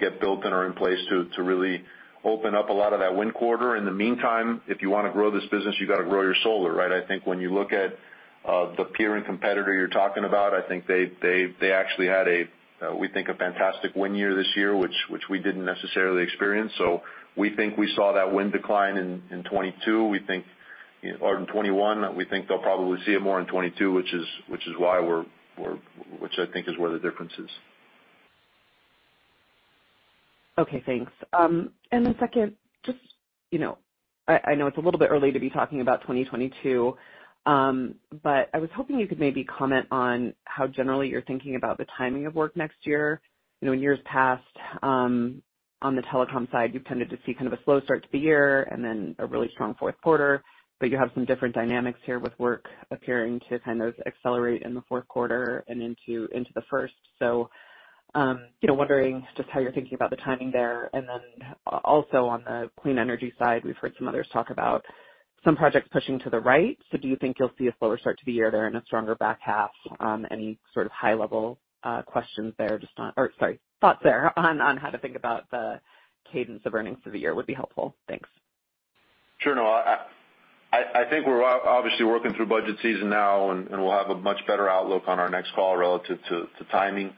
get built and are in place to really open up a lot of that wind quarter. In the meantime, if you wanna grow this business, you gotta grow your solar, right? I think when you look at the peer and competitor you're talking about, I think they actually had, we think, a fantastic wind year this year, which we didn't necessarily experience. We think we saw that wind decline in 2022 or 2021. We think they'll probably see it more in 2022, which I think is where the difference is. Okay, thanks. The second, just, you know, I know it's a little bit early to be talking about 2022, but I was hoping you could maybe comment on how generally you're thinking about the timing of work next year. You know, in years past, on the telecom side, you tended to see kind of a slow start to the year and then a really strong fourth quarter, but you have some different dynamics here with work appearing to kind of accelerate in the fourth quarter and into the first. You know, wondering just how you're thinking about the timing there. Then also on the clean energy side, we've heard some others talk about some projects pushing to the right. Do you think you'll see a slower start to the year there and a stronger back half? Any sort of high-level thoughts there on how to think about the cadence of earnings for the year would be helpful. Thanks. Sure. No, I think we're obviously working through budget season now, and we'll have a much better outlook on our next call relative to timing.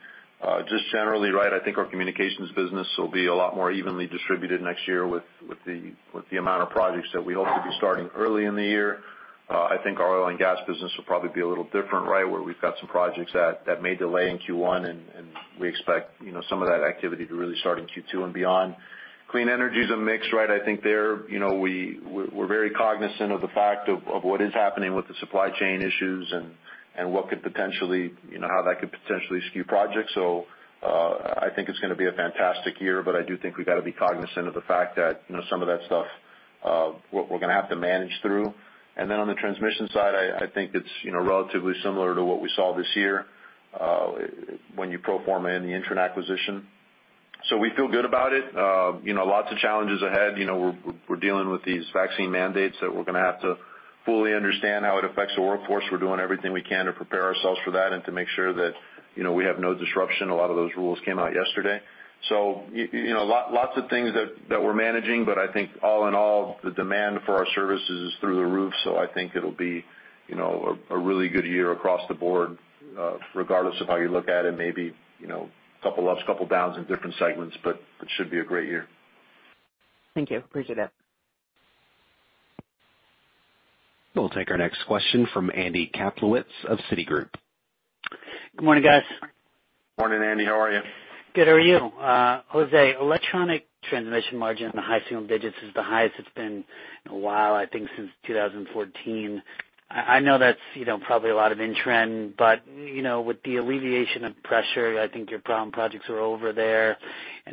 Just generally, right, I think our communications business will be a lot more evenly distributed next year with the amount of projects that we hope to be starting early in the year. I think our oil and gas business will probably be a little different, right, where we've got some projects that may delay in Q1, and we expect, you know, some of that activity to really start in Q2 and beyond. Clean energy is a mix, right? I think there, you know, we're very cognizant of the fact of what is happening with the supply chain issues and what could potentially, you know, how that could potentially skew projects. I think it's gonna be a fantastic year, but I do think we've gotta be cognizant of the fact that, you know, some of that stuff, we're gonna have to manage through. On the transmission side, I think it's, you know, relatively similar to what we saw this year, when you pro forma in the INTREN acquisition. We feel good about it. You know, lots of challenges ahead. You know, we're dealing with these vaccine mandates that we're gonna have to fully understand how it affects the workforce. We're doing everything we can to prepare ourselves for that and to make sure that, you know, we have no disruption. A lot of those rules came out yesterday. You know, lots of things that we're managing, but I think all in all, the demand for our services is through the roof, so I think it'll be, you know, a really good year across the board, regardless of how you look at it. Maybe, you know, couple ups, couple downs in different segments, but it should be a great year. Thank you. Appreciate it. We'll take our next question from Andy Kaplowitz of Citigroup. Good morning, guys. Morning, Andy. How are you? Good. How are you? José, electric transmission margin in the high single digits is the highest it's been in a while, I think since 2014. I know that's, you know, probably a lot of INTREN, but, you know, with the alleviation of pressure, I think your problem projects are over there.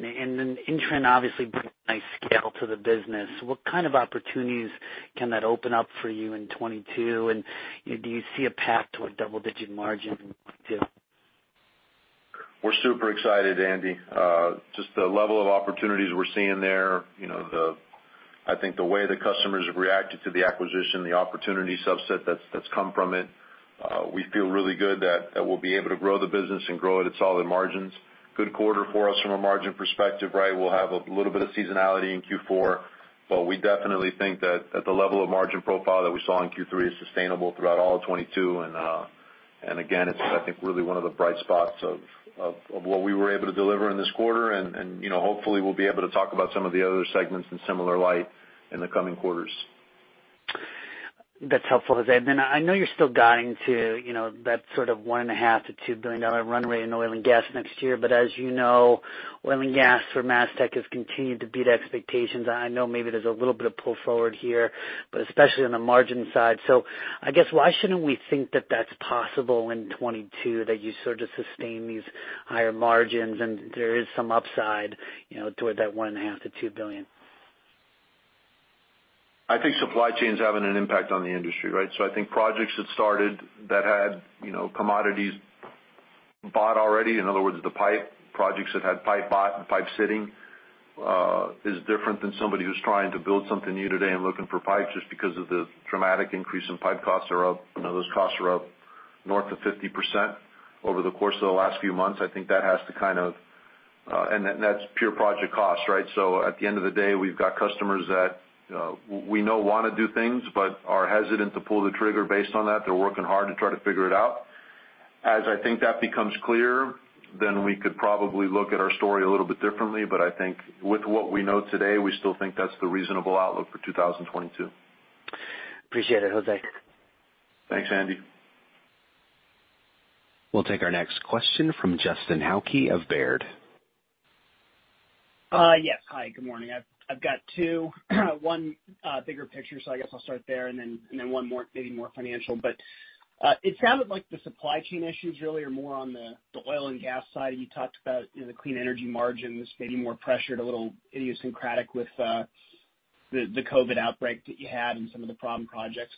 INTREN obviously brings nice scale to the business. What kind of opportunities can that open up for you in 2022, and do you see a path to a double-digit margin too? We're super excited, Andy. Just the level of opportunities we're seeing there, you know, I think the way the customers have reacted to the acquisition, the opportunity subset that's come from it, we feel really good that we'll be able to grow the business and grow it at solid margins. Good quarter for us from a margin perspective, right? We'll have a little bit of seasonality in Q4, but we definitely think that the level of margin profile that we saw in Q3 is sustainable throughout all of 2022. And again, it's, I think, really one of the bright spots of what we were able to deliver in this quarter. You know, hopefully we'll be able to talk about some of the other segments in similar light in the coming quarters. That's helpful, Jose. I know you're still guiding to, you know, that sort of $1.5-$2 billion runway in oil and gas next year. As you know, oil and gas for MasTec has continued to beat expectations. I know maybe there's a little bit of pull forward here, but especially on the margin side. I guess why shouldn't we think that that's possible in 2022, that you sort of sustain these higher margins and there is some upside, you know, toward that $1.5-$2 billion? I think supply chain's having an impact on the industry, right? I think projects that started that had, you know, commodities bought already, in other words, the pipe projects that had pipe bought and pipe sitting, is different than somebody who's trying to build something new today and looking for pipes just because of the dramatic increase in pipe costs are up. You know, those costs are up north of 50% over the course of the last few months. I think that has to kind of, and that's pure project cost, right? At the end of the day, we've got customers that, we know wanna do things, but are hesitant to pull the trigger based on that. They're working hard to try to figure it out. As I think that becomes clearer, then we could probably look at our story a little bit differently. I think with what we know today, we still think that's the reasonable outlook for 2022. Appreciate it, Jose. Thanks, Andy. We'll take our next question from Justin Hauke of Baird. Yes. Hi, good morning. I've got two. One, bigger picture, so I guess I'll start there and then one more, maybe more financial. It sounded like the supply chain issues really are more on the oil and gas side. You talked about, you know, the clean energy margins maybe more pressured, a little idiosyncratic with the COVID outbreak that you had and some of the problem projects.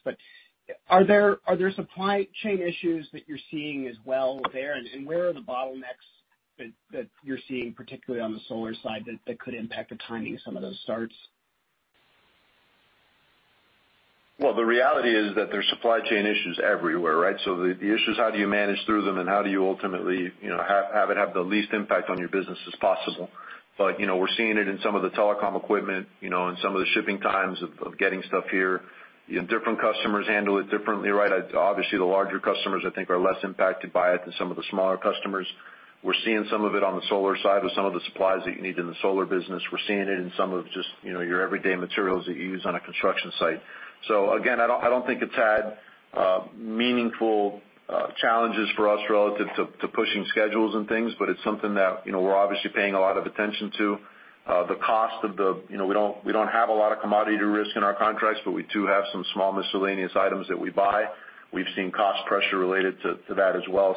Are there supply chain issues that you're seeing as well there, and where are the bottlenecks that you're seeing, particularly on the solar side, that could impact the timing of some of those starts? Well, the reality is that there's supply chain issues everywhere, right? The issue is how do you manage through them, and how do you ultimately, you know, have it have the least impact on your business as possible. You know, we're seeing it in some of the telecom equipment, you know, in some of the shipping times of getting stuff here. You know, different customers handle it differently, right? Obviously the larger customers I think are less impacted by it than some of the smaller customers. We're seeing some of it on the solar side with some of the supplies that you need in the solar business. We're seeing it in some of just, you know, your everyday materials that you use on a construction site. Again, I don't think it's had meaningful challenges for us relative to pushing schedules and things, but it's something that, you know, we're obviously paying a lot of attention to. You know, we don't have a lot of commodity risk in our contracts, but we do have some small miscellaneous items that we buy. We've seen cost pressure related to that as well.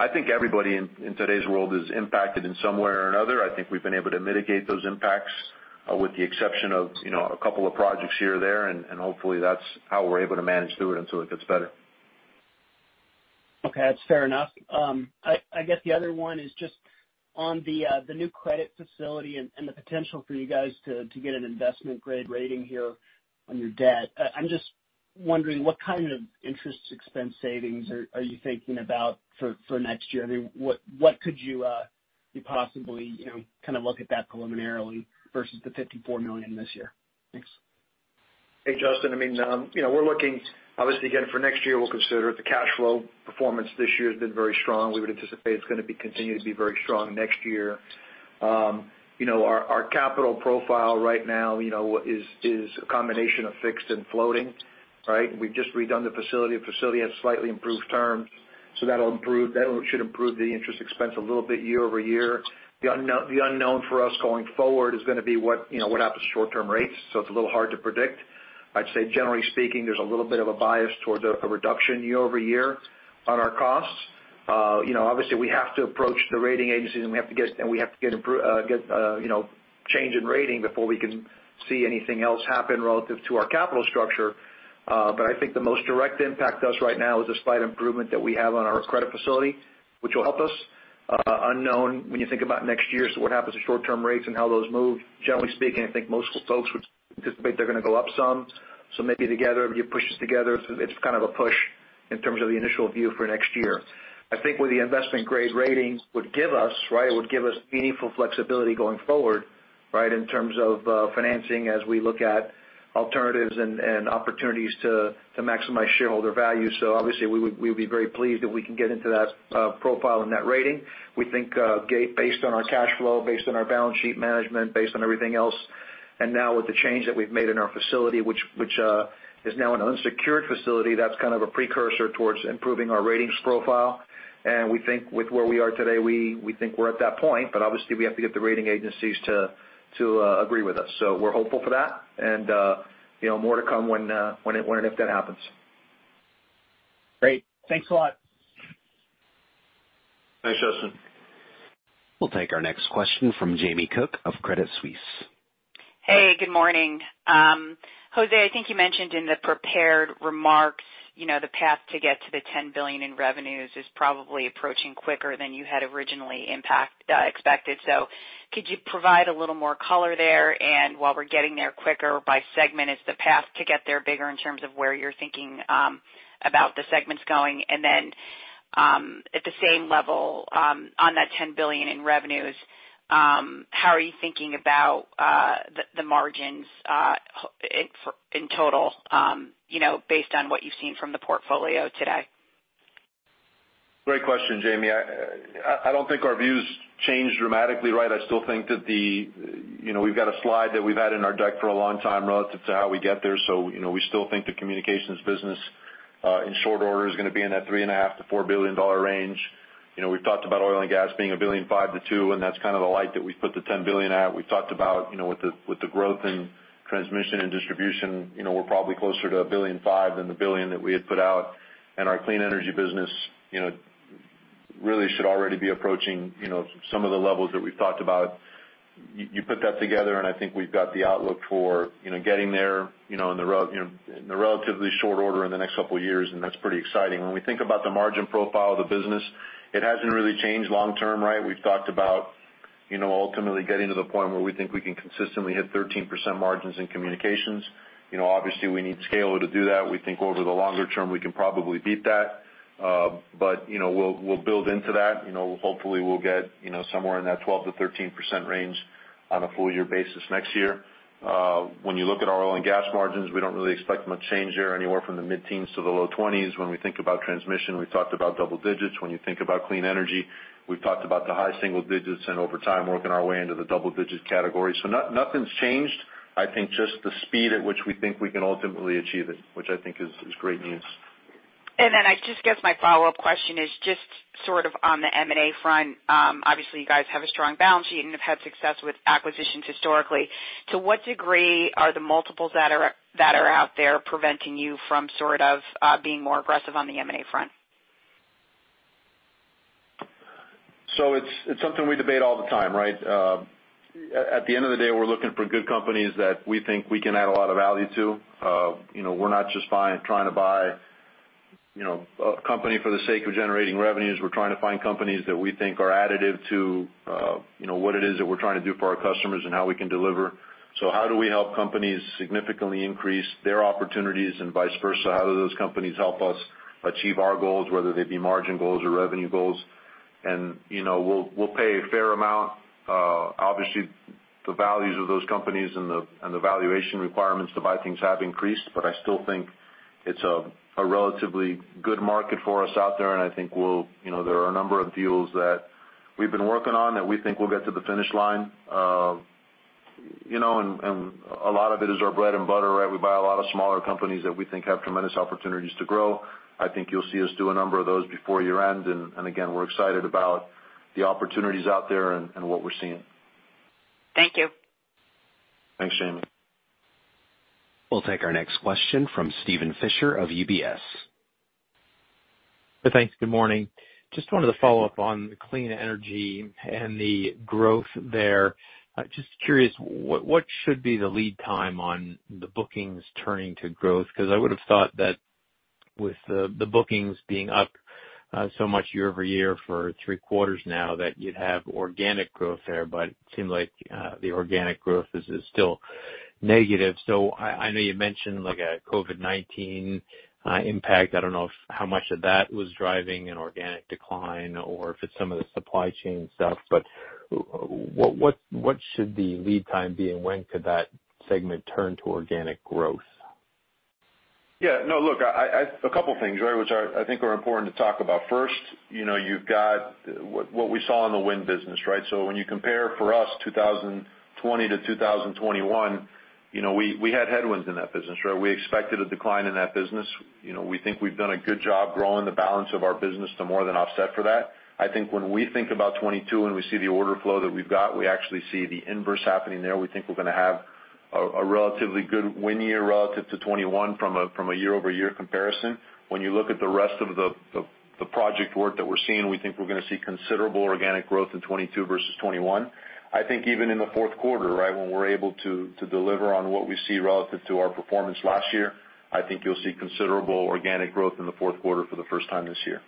I think everybody in today's world is impacted in some way or another. I think we've been able to mitigate those impacts, with the exception of, you know, a couple of projects here or there, and hopefully that's how we're able to manage through it until it gets better. Okay, that's fair enough. I guess the other one is just on the new credit facility and the potential for you guys to get an investment-grade rating here on your debt. I'm just wondering what kind of interest expense savings are you thinking about for next year? I mean, what could you possibly, you know, kind of look at that preliminarily versus the $54 million this year? Thanks. Hey, Justin. I mean, you know, we're looking. Obviously, again, for next year we'll consider it. The cash flow performance this year has been very strong. We would anticipate it's gonna continue to be very strong next year. You know, our capital profile right now, you know, is a combination of fixed and floating, right? We've just redone the facility. The facility has slightly improved terms, so that should improve the interest expense a little bit year-over-year. The unknown for us going forward is gonna be what, you know, what happens to short-term rates. So it's a little hard to predict. I'd say generally speaking, there's a little bit of a bias towards a reduction year-over-year on our costs. You know, obviously we have to approach the rating agencies, and we have to get change in rating before we can see anything else happen relative to our capital structure. I think the most direct impact to us right now is the slight improvement that we have on our credit facility, which will help us. It's unknown when you think about next year. What happens to short-term rates and how those move. Generally speaking, I think most folks would anticipate they're gonna go up some. Maybe together, you push this together, it's kind of a push in terms of the initial view for next year. I think what the investment grade ratings would give us, right, it would give us meaningful flexibility going forward, right, in terms of financing as we look at alternatives and opportunities to maximize shareholder value. So obviously we would be very pleased if we can get into that profile and that rating. We think based on our cash flow, based on our balance sheet management, based on everything else, and now with the change that we've made in our facility, which is now an unsecured facility, that's kind of a precursor towards improving our ratings profile. We think with where we are today, we think we're at that point, but obviously we have to get the rating agencies to agree with us. We're hopeful for that, and, you know, more to come when and if that happens. Great. Thanks a lot. Thanks, Justin. We'll take our next question from Jamie Cook of Credit Suisse. Hey, good morning. Jose, I think you mentioned in the prepared remarks, you know, the path to get to the $10 billion in revenues is probably approaching quicker than you had originally expected. Could you provide a little more color there? While we're getting there quicker by segment, is the path to get there bigger in terms of where you're thinking about the segments going? At the same level, on that $10 billion in revenues, how are you thinking about the margins in total, you know, based on what you've seen from the portfolio today? Great question, Jamie. I don't think our view's changed dramatically, right? I still think that. You know, we've got a slide that we've had in our deck for a long time relative to how we get there. You know, we still think the communications business in short order is gonna be in that $3.5 billion-$4 billion range. You know, we've talked about oil and gas being $1.5 billion-$2 billion, and that's kind of like that we've put the $10 billion at. We've talked about, you know, with the growth in transmission and distribution, you know, we're probably closer to $1.5 billion than the $1 billion that we had put out. Our clean energy business, you know. Really should already be approaching, you know, some of the levels that we've talked about. You put that together, and I think we've got the outlook for, you know, getting there, you know, in the relatively short order in the next couple of years, and that's pretty exciting. When we think about the margin profile of the business, it hasn't really changed long term, right? We've talked about, you know, ultimately getting to the point where we think we can consistently hit 13% margins in communications. You know, obviously, we need scale to do that. We think over the longer term, we can probably beat that. But, you know, we'll build into that. You know, hopefully, we'll get, you know, somewhere in that 12%-13% range on a full year basis next year. When you look at our oil and gas margins, we don't really expect much change there, anywhere from the mid-teens to the low twenties. When we think about transmission, we've talked about double digits. When you think about clean energy, we've talked about the high single digits and over time, working our way into the double-digit category. Nothing's changed. I think just the speed at which we think we can ultimately achieve it, which I think is great news. I just guess my follow-up question is just sort of on the M&A front. Obviously, you guys have a strong balance sheet and have had success with acquisitions historically. To what degree are the multiples that are out there preventing you from sort of being more aggressive on the M&A front? It's something we debate all the time, right? At the end of the day, we're looking for good companies that we think we can add a lot of value to. You know, we're not just trying to buy a company for the sake of generating revenues. We're trying to find companies that we think are additive to what it is that we're trying to do for our customers and how we can deliver. How do we help companies significantly increase their opportunities and vice versa? How do those companies help us achieve our goals, whether they be margin goals or revenue goals? You know, we'll pay a fair amount. Obviously, the values of those companies and the valuation requirements to buy things have increased, but I still think it's a relatively good market for us out there, and I think we'll. You know, there are a number of deals that we've been working on that we think will get to the finish line. You know, a lot of it is our bread and butter, right? We buy a lot of smaller companies that we think have tremendous opportunities to grow. I think you'll see us do a number of those before year-end. Again, we're excited about the opportunities out there and what we're seeing. Thank you. Thanks, Jamie. We'll take our next question from Steven Fisher of UBS. Thanks. Good morning. Just wanted to follow up on the clean energy and the growth there. Just curious, what should be the lead time on the bookings turning to growth? 'Cause I would have thought that with the bookings being up so much year-over-year for three quarters now, that you'd have organic growth there, but it seemed like the organic growth is still negative. I know you mentioned like a COVID-19 impact. I don't know how much of that was driving an organic decline or if it's some of the supply chain stuff, but what should the lead time be, and when could that segment turn to organic growth? Yeah. No, look. A couple of things, right, which are, I think, important to talk about. First, you know, you've got what we saw in the wind business, right? So when you compare for us 2020 to 2021, you know, we had headwinds in that business, right? We expected a decline in that business. You know, we think we've done a good job growing the balance of our business to more than offset for that. I think when we think about 2022 and we see the order flow that we've got, we actually see the inverse happening there. We think we're gonna have a relatively good wind year relative to 2021 from a year-over-year comparison. When you look at the rest of the project work that we're seeing, we think we're gonna see considerable organic growth in 2022 versus 2021. I think even in the fourth quarter, right, when we're able to deliver on what we see relative to our performance last year, I think you'll see considerable organic growth in the fourth quarter for the first time this year.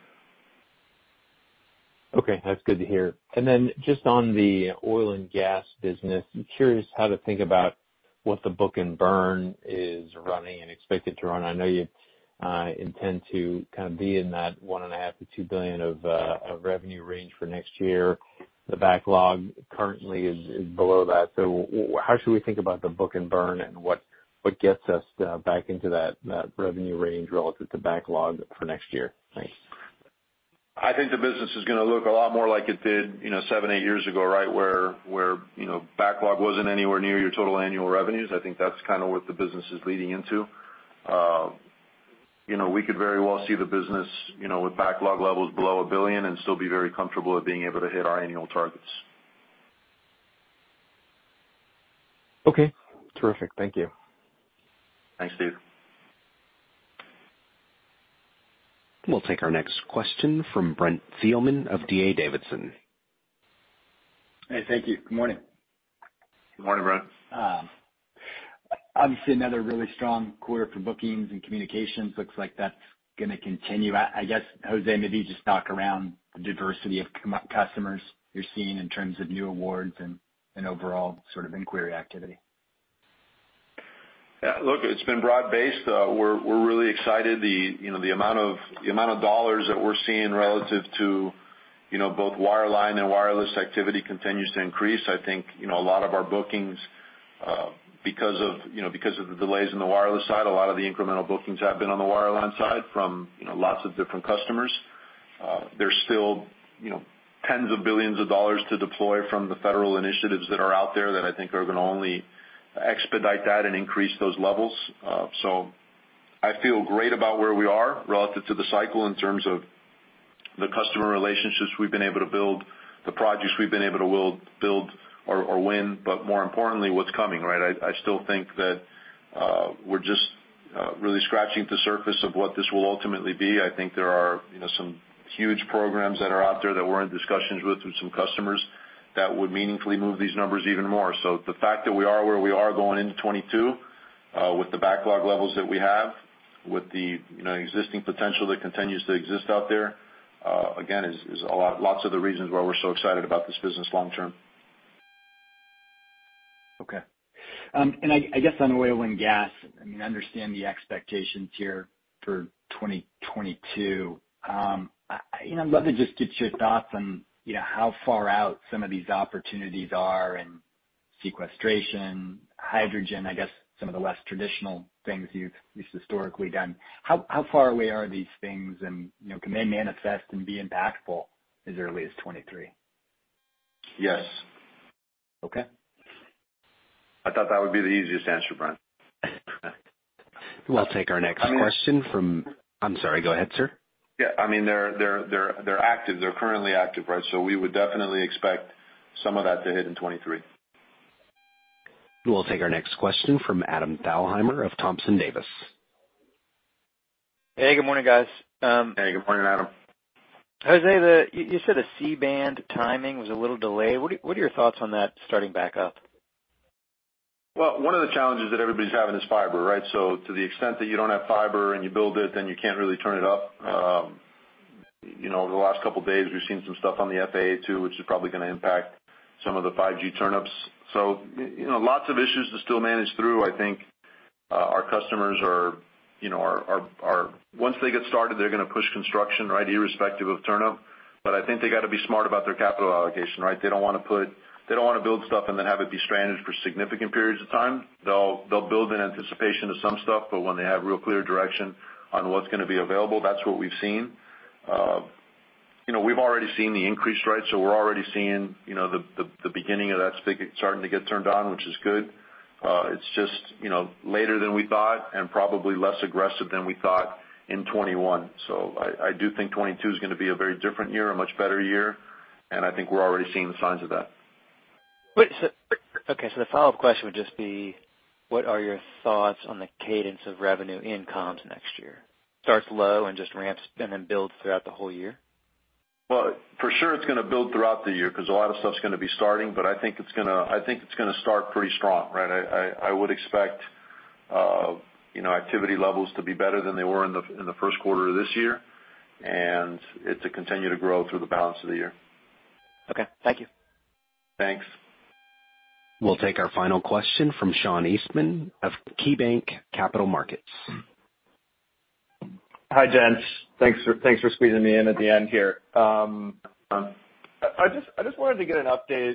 Okay, that's good to hear. Just on the oil and gas business, I'm curious how to think about what the book and burn is running and expected to run. I know you intend to kind of be in that $1.5 billion-$2 billion of revenue range for next year. The backlog currently is below that. How should we think about the book and burn and what gets us back into that revenue range relative to backlog for next year? Thanks. I think the business is gonna look a lot more like it did, you know, seven, eight years ago, right? Where you know, backlog wasn't anywhere near your total annual revenues. I think that's kind of what the business is leading into. You know, we could very well see the business, you know, with backlog levels below $1 billion and still be very comfortable at being able to hit our annual targets. Okay. Terrific. Thank you. Thanks, Steven. We'll take our next question from Brent Thielman of D.A. Davidson. Hey, thank you. Good morning. Good morning, Brent. Obviously another really strong quarter for bookings and communications. Looks like that's gonna continue. I guess, Jose, maybe just talk around the diversity of customers you're seeing in terms of new awards and overall sort of inquiry activity. Yeah. Look, it's been broad-based. We're really excited. You know, the amount of dollars that we're seeing relative to you know, both wireline and wireless activity continues to increase. I think you know, a lot of our bookings because of the delays in the wireless side, a lot of the incremental bookings have been on the wireline side from you know, lots of different customers. There's still you know, tens of billions of dollars to deploy from the federal initiatives that are out there that I think are gonna only expedite that and increase those levels. I feel great about where we are relative to the cycle in terms of the customer relationships we've been able to build, the projects we've been able to build or win, but more importantly, what's coming, right? I still think that we're just really scratching the surface of what this will ultimately be. I think there are, you know, some huge programs that are out there that we're in discussions with some customers that would meaningfully move these numbers even more. The fact that we are where we are going into 2022, with the backlog levels that we have, with the, you know, existing potential that continues to exist out there, again, is lots of the reasons why we're so excited about this business long term. Okay. I guess on oil and gas, I mean, understand the expectations here for 2022. You know, I'd love to just get your thoughts on, you know, how far out some of these opportunities are and sequestration, hydrogen, I guess some of the less traditional things you've at least historically done. How far away are these things? You know, can they manifest and be impactful as early as 2023? Yes. Okay. I thought that would be the easiest answer, Brent. We'll take our next question from. I mean. I'm sorry. Go ahead, sir. Yeah. I mean, they're active. They're currently active, right? We would definitely expect some of that to hit in 2023. We'll take our next question from Adam Thalhimer of Thompson Davis. Hey, good morning, guys. Hey, good morning, Adam. José, you said the C-band timing was a little delayed. What are your thoughts on that starting back up? Well, one of the challenges that everybody's having is fiber, right? To the extent that you don't have fiber and you build it, then you can't really turn it up. Over the last couple days, we've seen some stuff on the FAA too, which is probably gonna impact some of the 5G turn-ups. You know, lots of issues to still manage through. I think our customers are, you know. Once they get started, they're gonna push construction, right, irrespective of turn-up. I think they gotta be smart about their capital allocation, right? They don't wanna build stuff and then have it be stranded for significant periods of time. They'll build in anticipation of some stuff, but when they have real clear direction on what's gonna be available, that's what we've seen. You know, we've already seen the increased rates, so we're already seeing, you know, the beginning of that stick starting to get turned on, which is good. It's just, you know, later than we thought and probably less aggressive than we thought in 2021. I do think 2022 is gonna be a very different year, a much better year, and I think we're already seeing the signs of that. Okay, the follow-up question would just be, what are your thoughts on the cadence of revenue in comms next year? Starts low and just ramps and then builds throughout the whole year? Well, for sure it's gonna build throughout the year 'cause a lot of stuff's gonna be starting, but I think it's gonna start pretty strong, right? I would expect, you know, activity levels to be better than they were in the first quarter of this year and it to continue to grow through the balance of the year. Okay, thank you. Thanks. We'll take our final question from Sean Eastman of KeyBanc Capital Markets. Hi, gents. Thanks for squeezing me in at the end here. I just wanted to get an update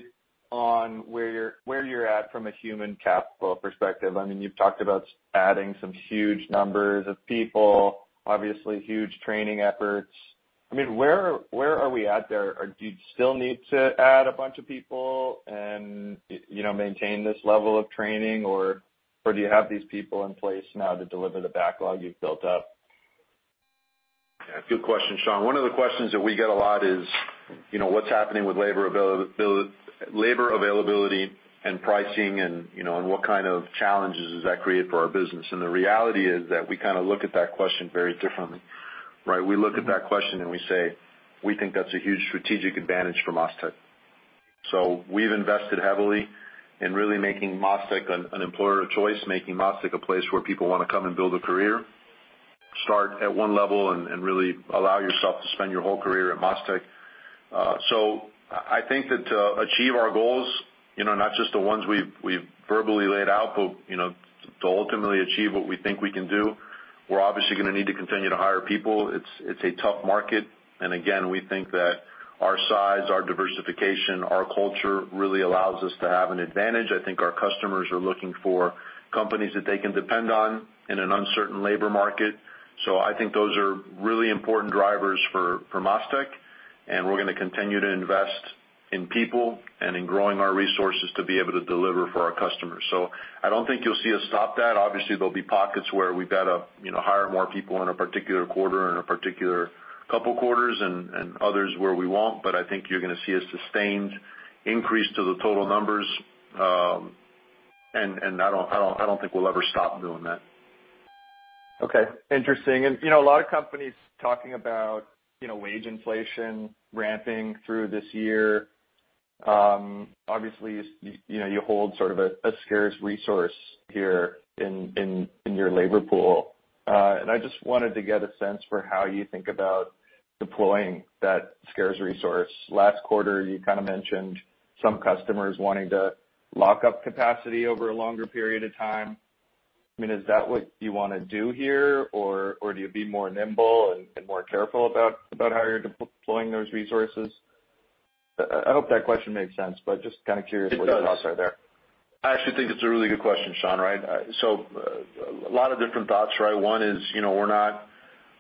on where you're at from a human capital perspective. I mean, you've talked about adding some huge numbers of people, obviously huge training efforts. I mean, where are we at there? Do you still need to add a bunch of people and, you know, maintain this level of training? Or do you have these people in place now to deliver the backlog you've built up? Yeah, good question, Sean. One of the questions that we get a lot is, you know, what's happening with labor availability and pricing and, you know, and what kind of challenges does that create for our business? The reality is that we kinda look at that question very differently, right? We look at that question and we say, we think that's a huge strategic advantage for MasTec. We've invested heavily in really making MasTec an employer of choice, making MasTec a place where people wanna come and build a career. Start at one level and really allow yourself to spend your whole career at MasTec. I think that to achieve our goals, you know, not just the ones we've verbally laid out, but, you know, to ultimately achieve what we think we can do, we're obviously gonna need to continue to hire people. It's a tough market, and again, we think that our size, our diversification, our culture really allows us to have an advantage. I think our customers are looking for companies that they can depend on in an uncertain labor market. I don't think you'll see us stop that. Obviously, there'll be pockets where we've gotta, you know, hire more people in a particular quarter, in a particular couple quarters and others where we won't, but I think you're gonna see a sustained increase to the total numbers. I don't think we'll ever stop doing that. Okay, interesting. You know, a lot of companies talking about, you know, wage inflation ramping through this year. Obviously, you know, you hold sort of a scarce resource here in your labor pool. I just wanted to get a sense for how you think about deploying that scarce resource. Last quarter, you kinda mentioned some customers wanting to lock up capacity over a longer period of time. I mean, is that what you wanna do here? Or do you be more nimble and more careful about how you're deploying those resources? I hope that question made sense, but just kinda curious. It does. What are your thoughts there? I actually think it's a really good question, Sean. Right? A lot of different thoughts, right? One is, you know, we're not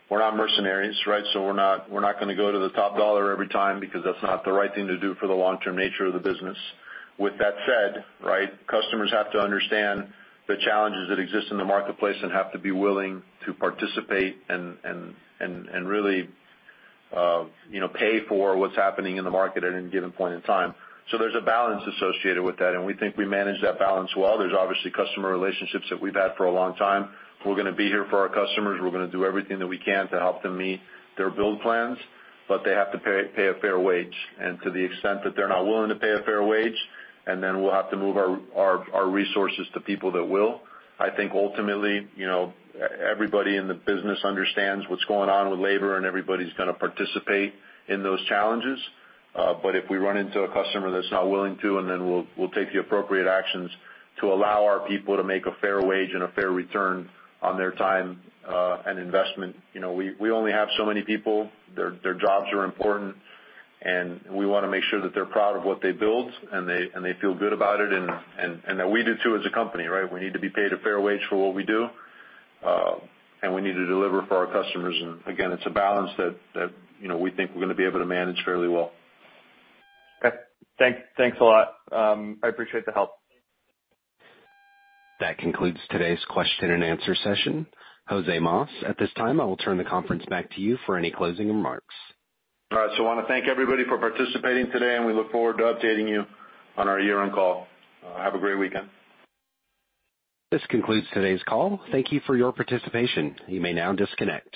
mercenaries, right? We're not gonna go to the top dollar every time because that's not the right thing to do for the long-term nature of the business. With that said, right, customers have to understand the challenges that exist in the marketplace and have to be willing to participate and really, you know, pay for what's happening in the market at any given point in time. There's a balance associated with that, and we think we manage that balance well. There's obviously customer relationships that we've had for a long time. We're gonna be here for our customers. We're gonna do everything that we can to help them meet their build plans, but they have to pay a fair wage. To the extent that they're not willing to pay a fair wage, and then we'll have to move our resources to people that will. I think ultimately, you know, everybody in the business understands what's going on with labor, and everybody's gonna participate in those challenges. If we run into a customer that's not willing to, and then we'll take the appropriate actions to allow our people to make a fair wage and a fair return on their time, and investment. You know, we only have so many people. Their jobs are important, and we wanna make sure that they're proud of what they build and they feel good about it and that we do too as a company, right? We need to be paid a fair wage for what we do, and we need to deliver for our customers. Again, it's a balance that you know, we think we're gonna be able to manage fairly well. Okay. Thanks a lot. I appreciate the help. That concludes today's question and answer session. Jose Mas, at this time, I will turn the conference back to you for any closing remarks. All right. I wanna thank everybody for participating today, and we look forward to updating you on our year-end call. Have a great weekend. This concludes today's call. Thank you for your participation. You may now disconnect.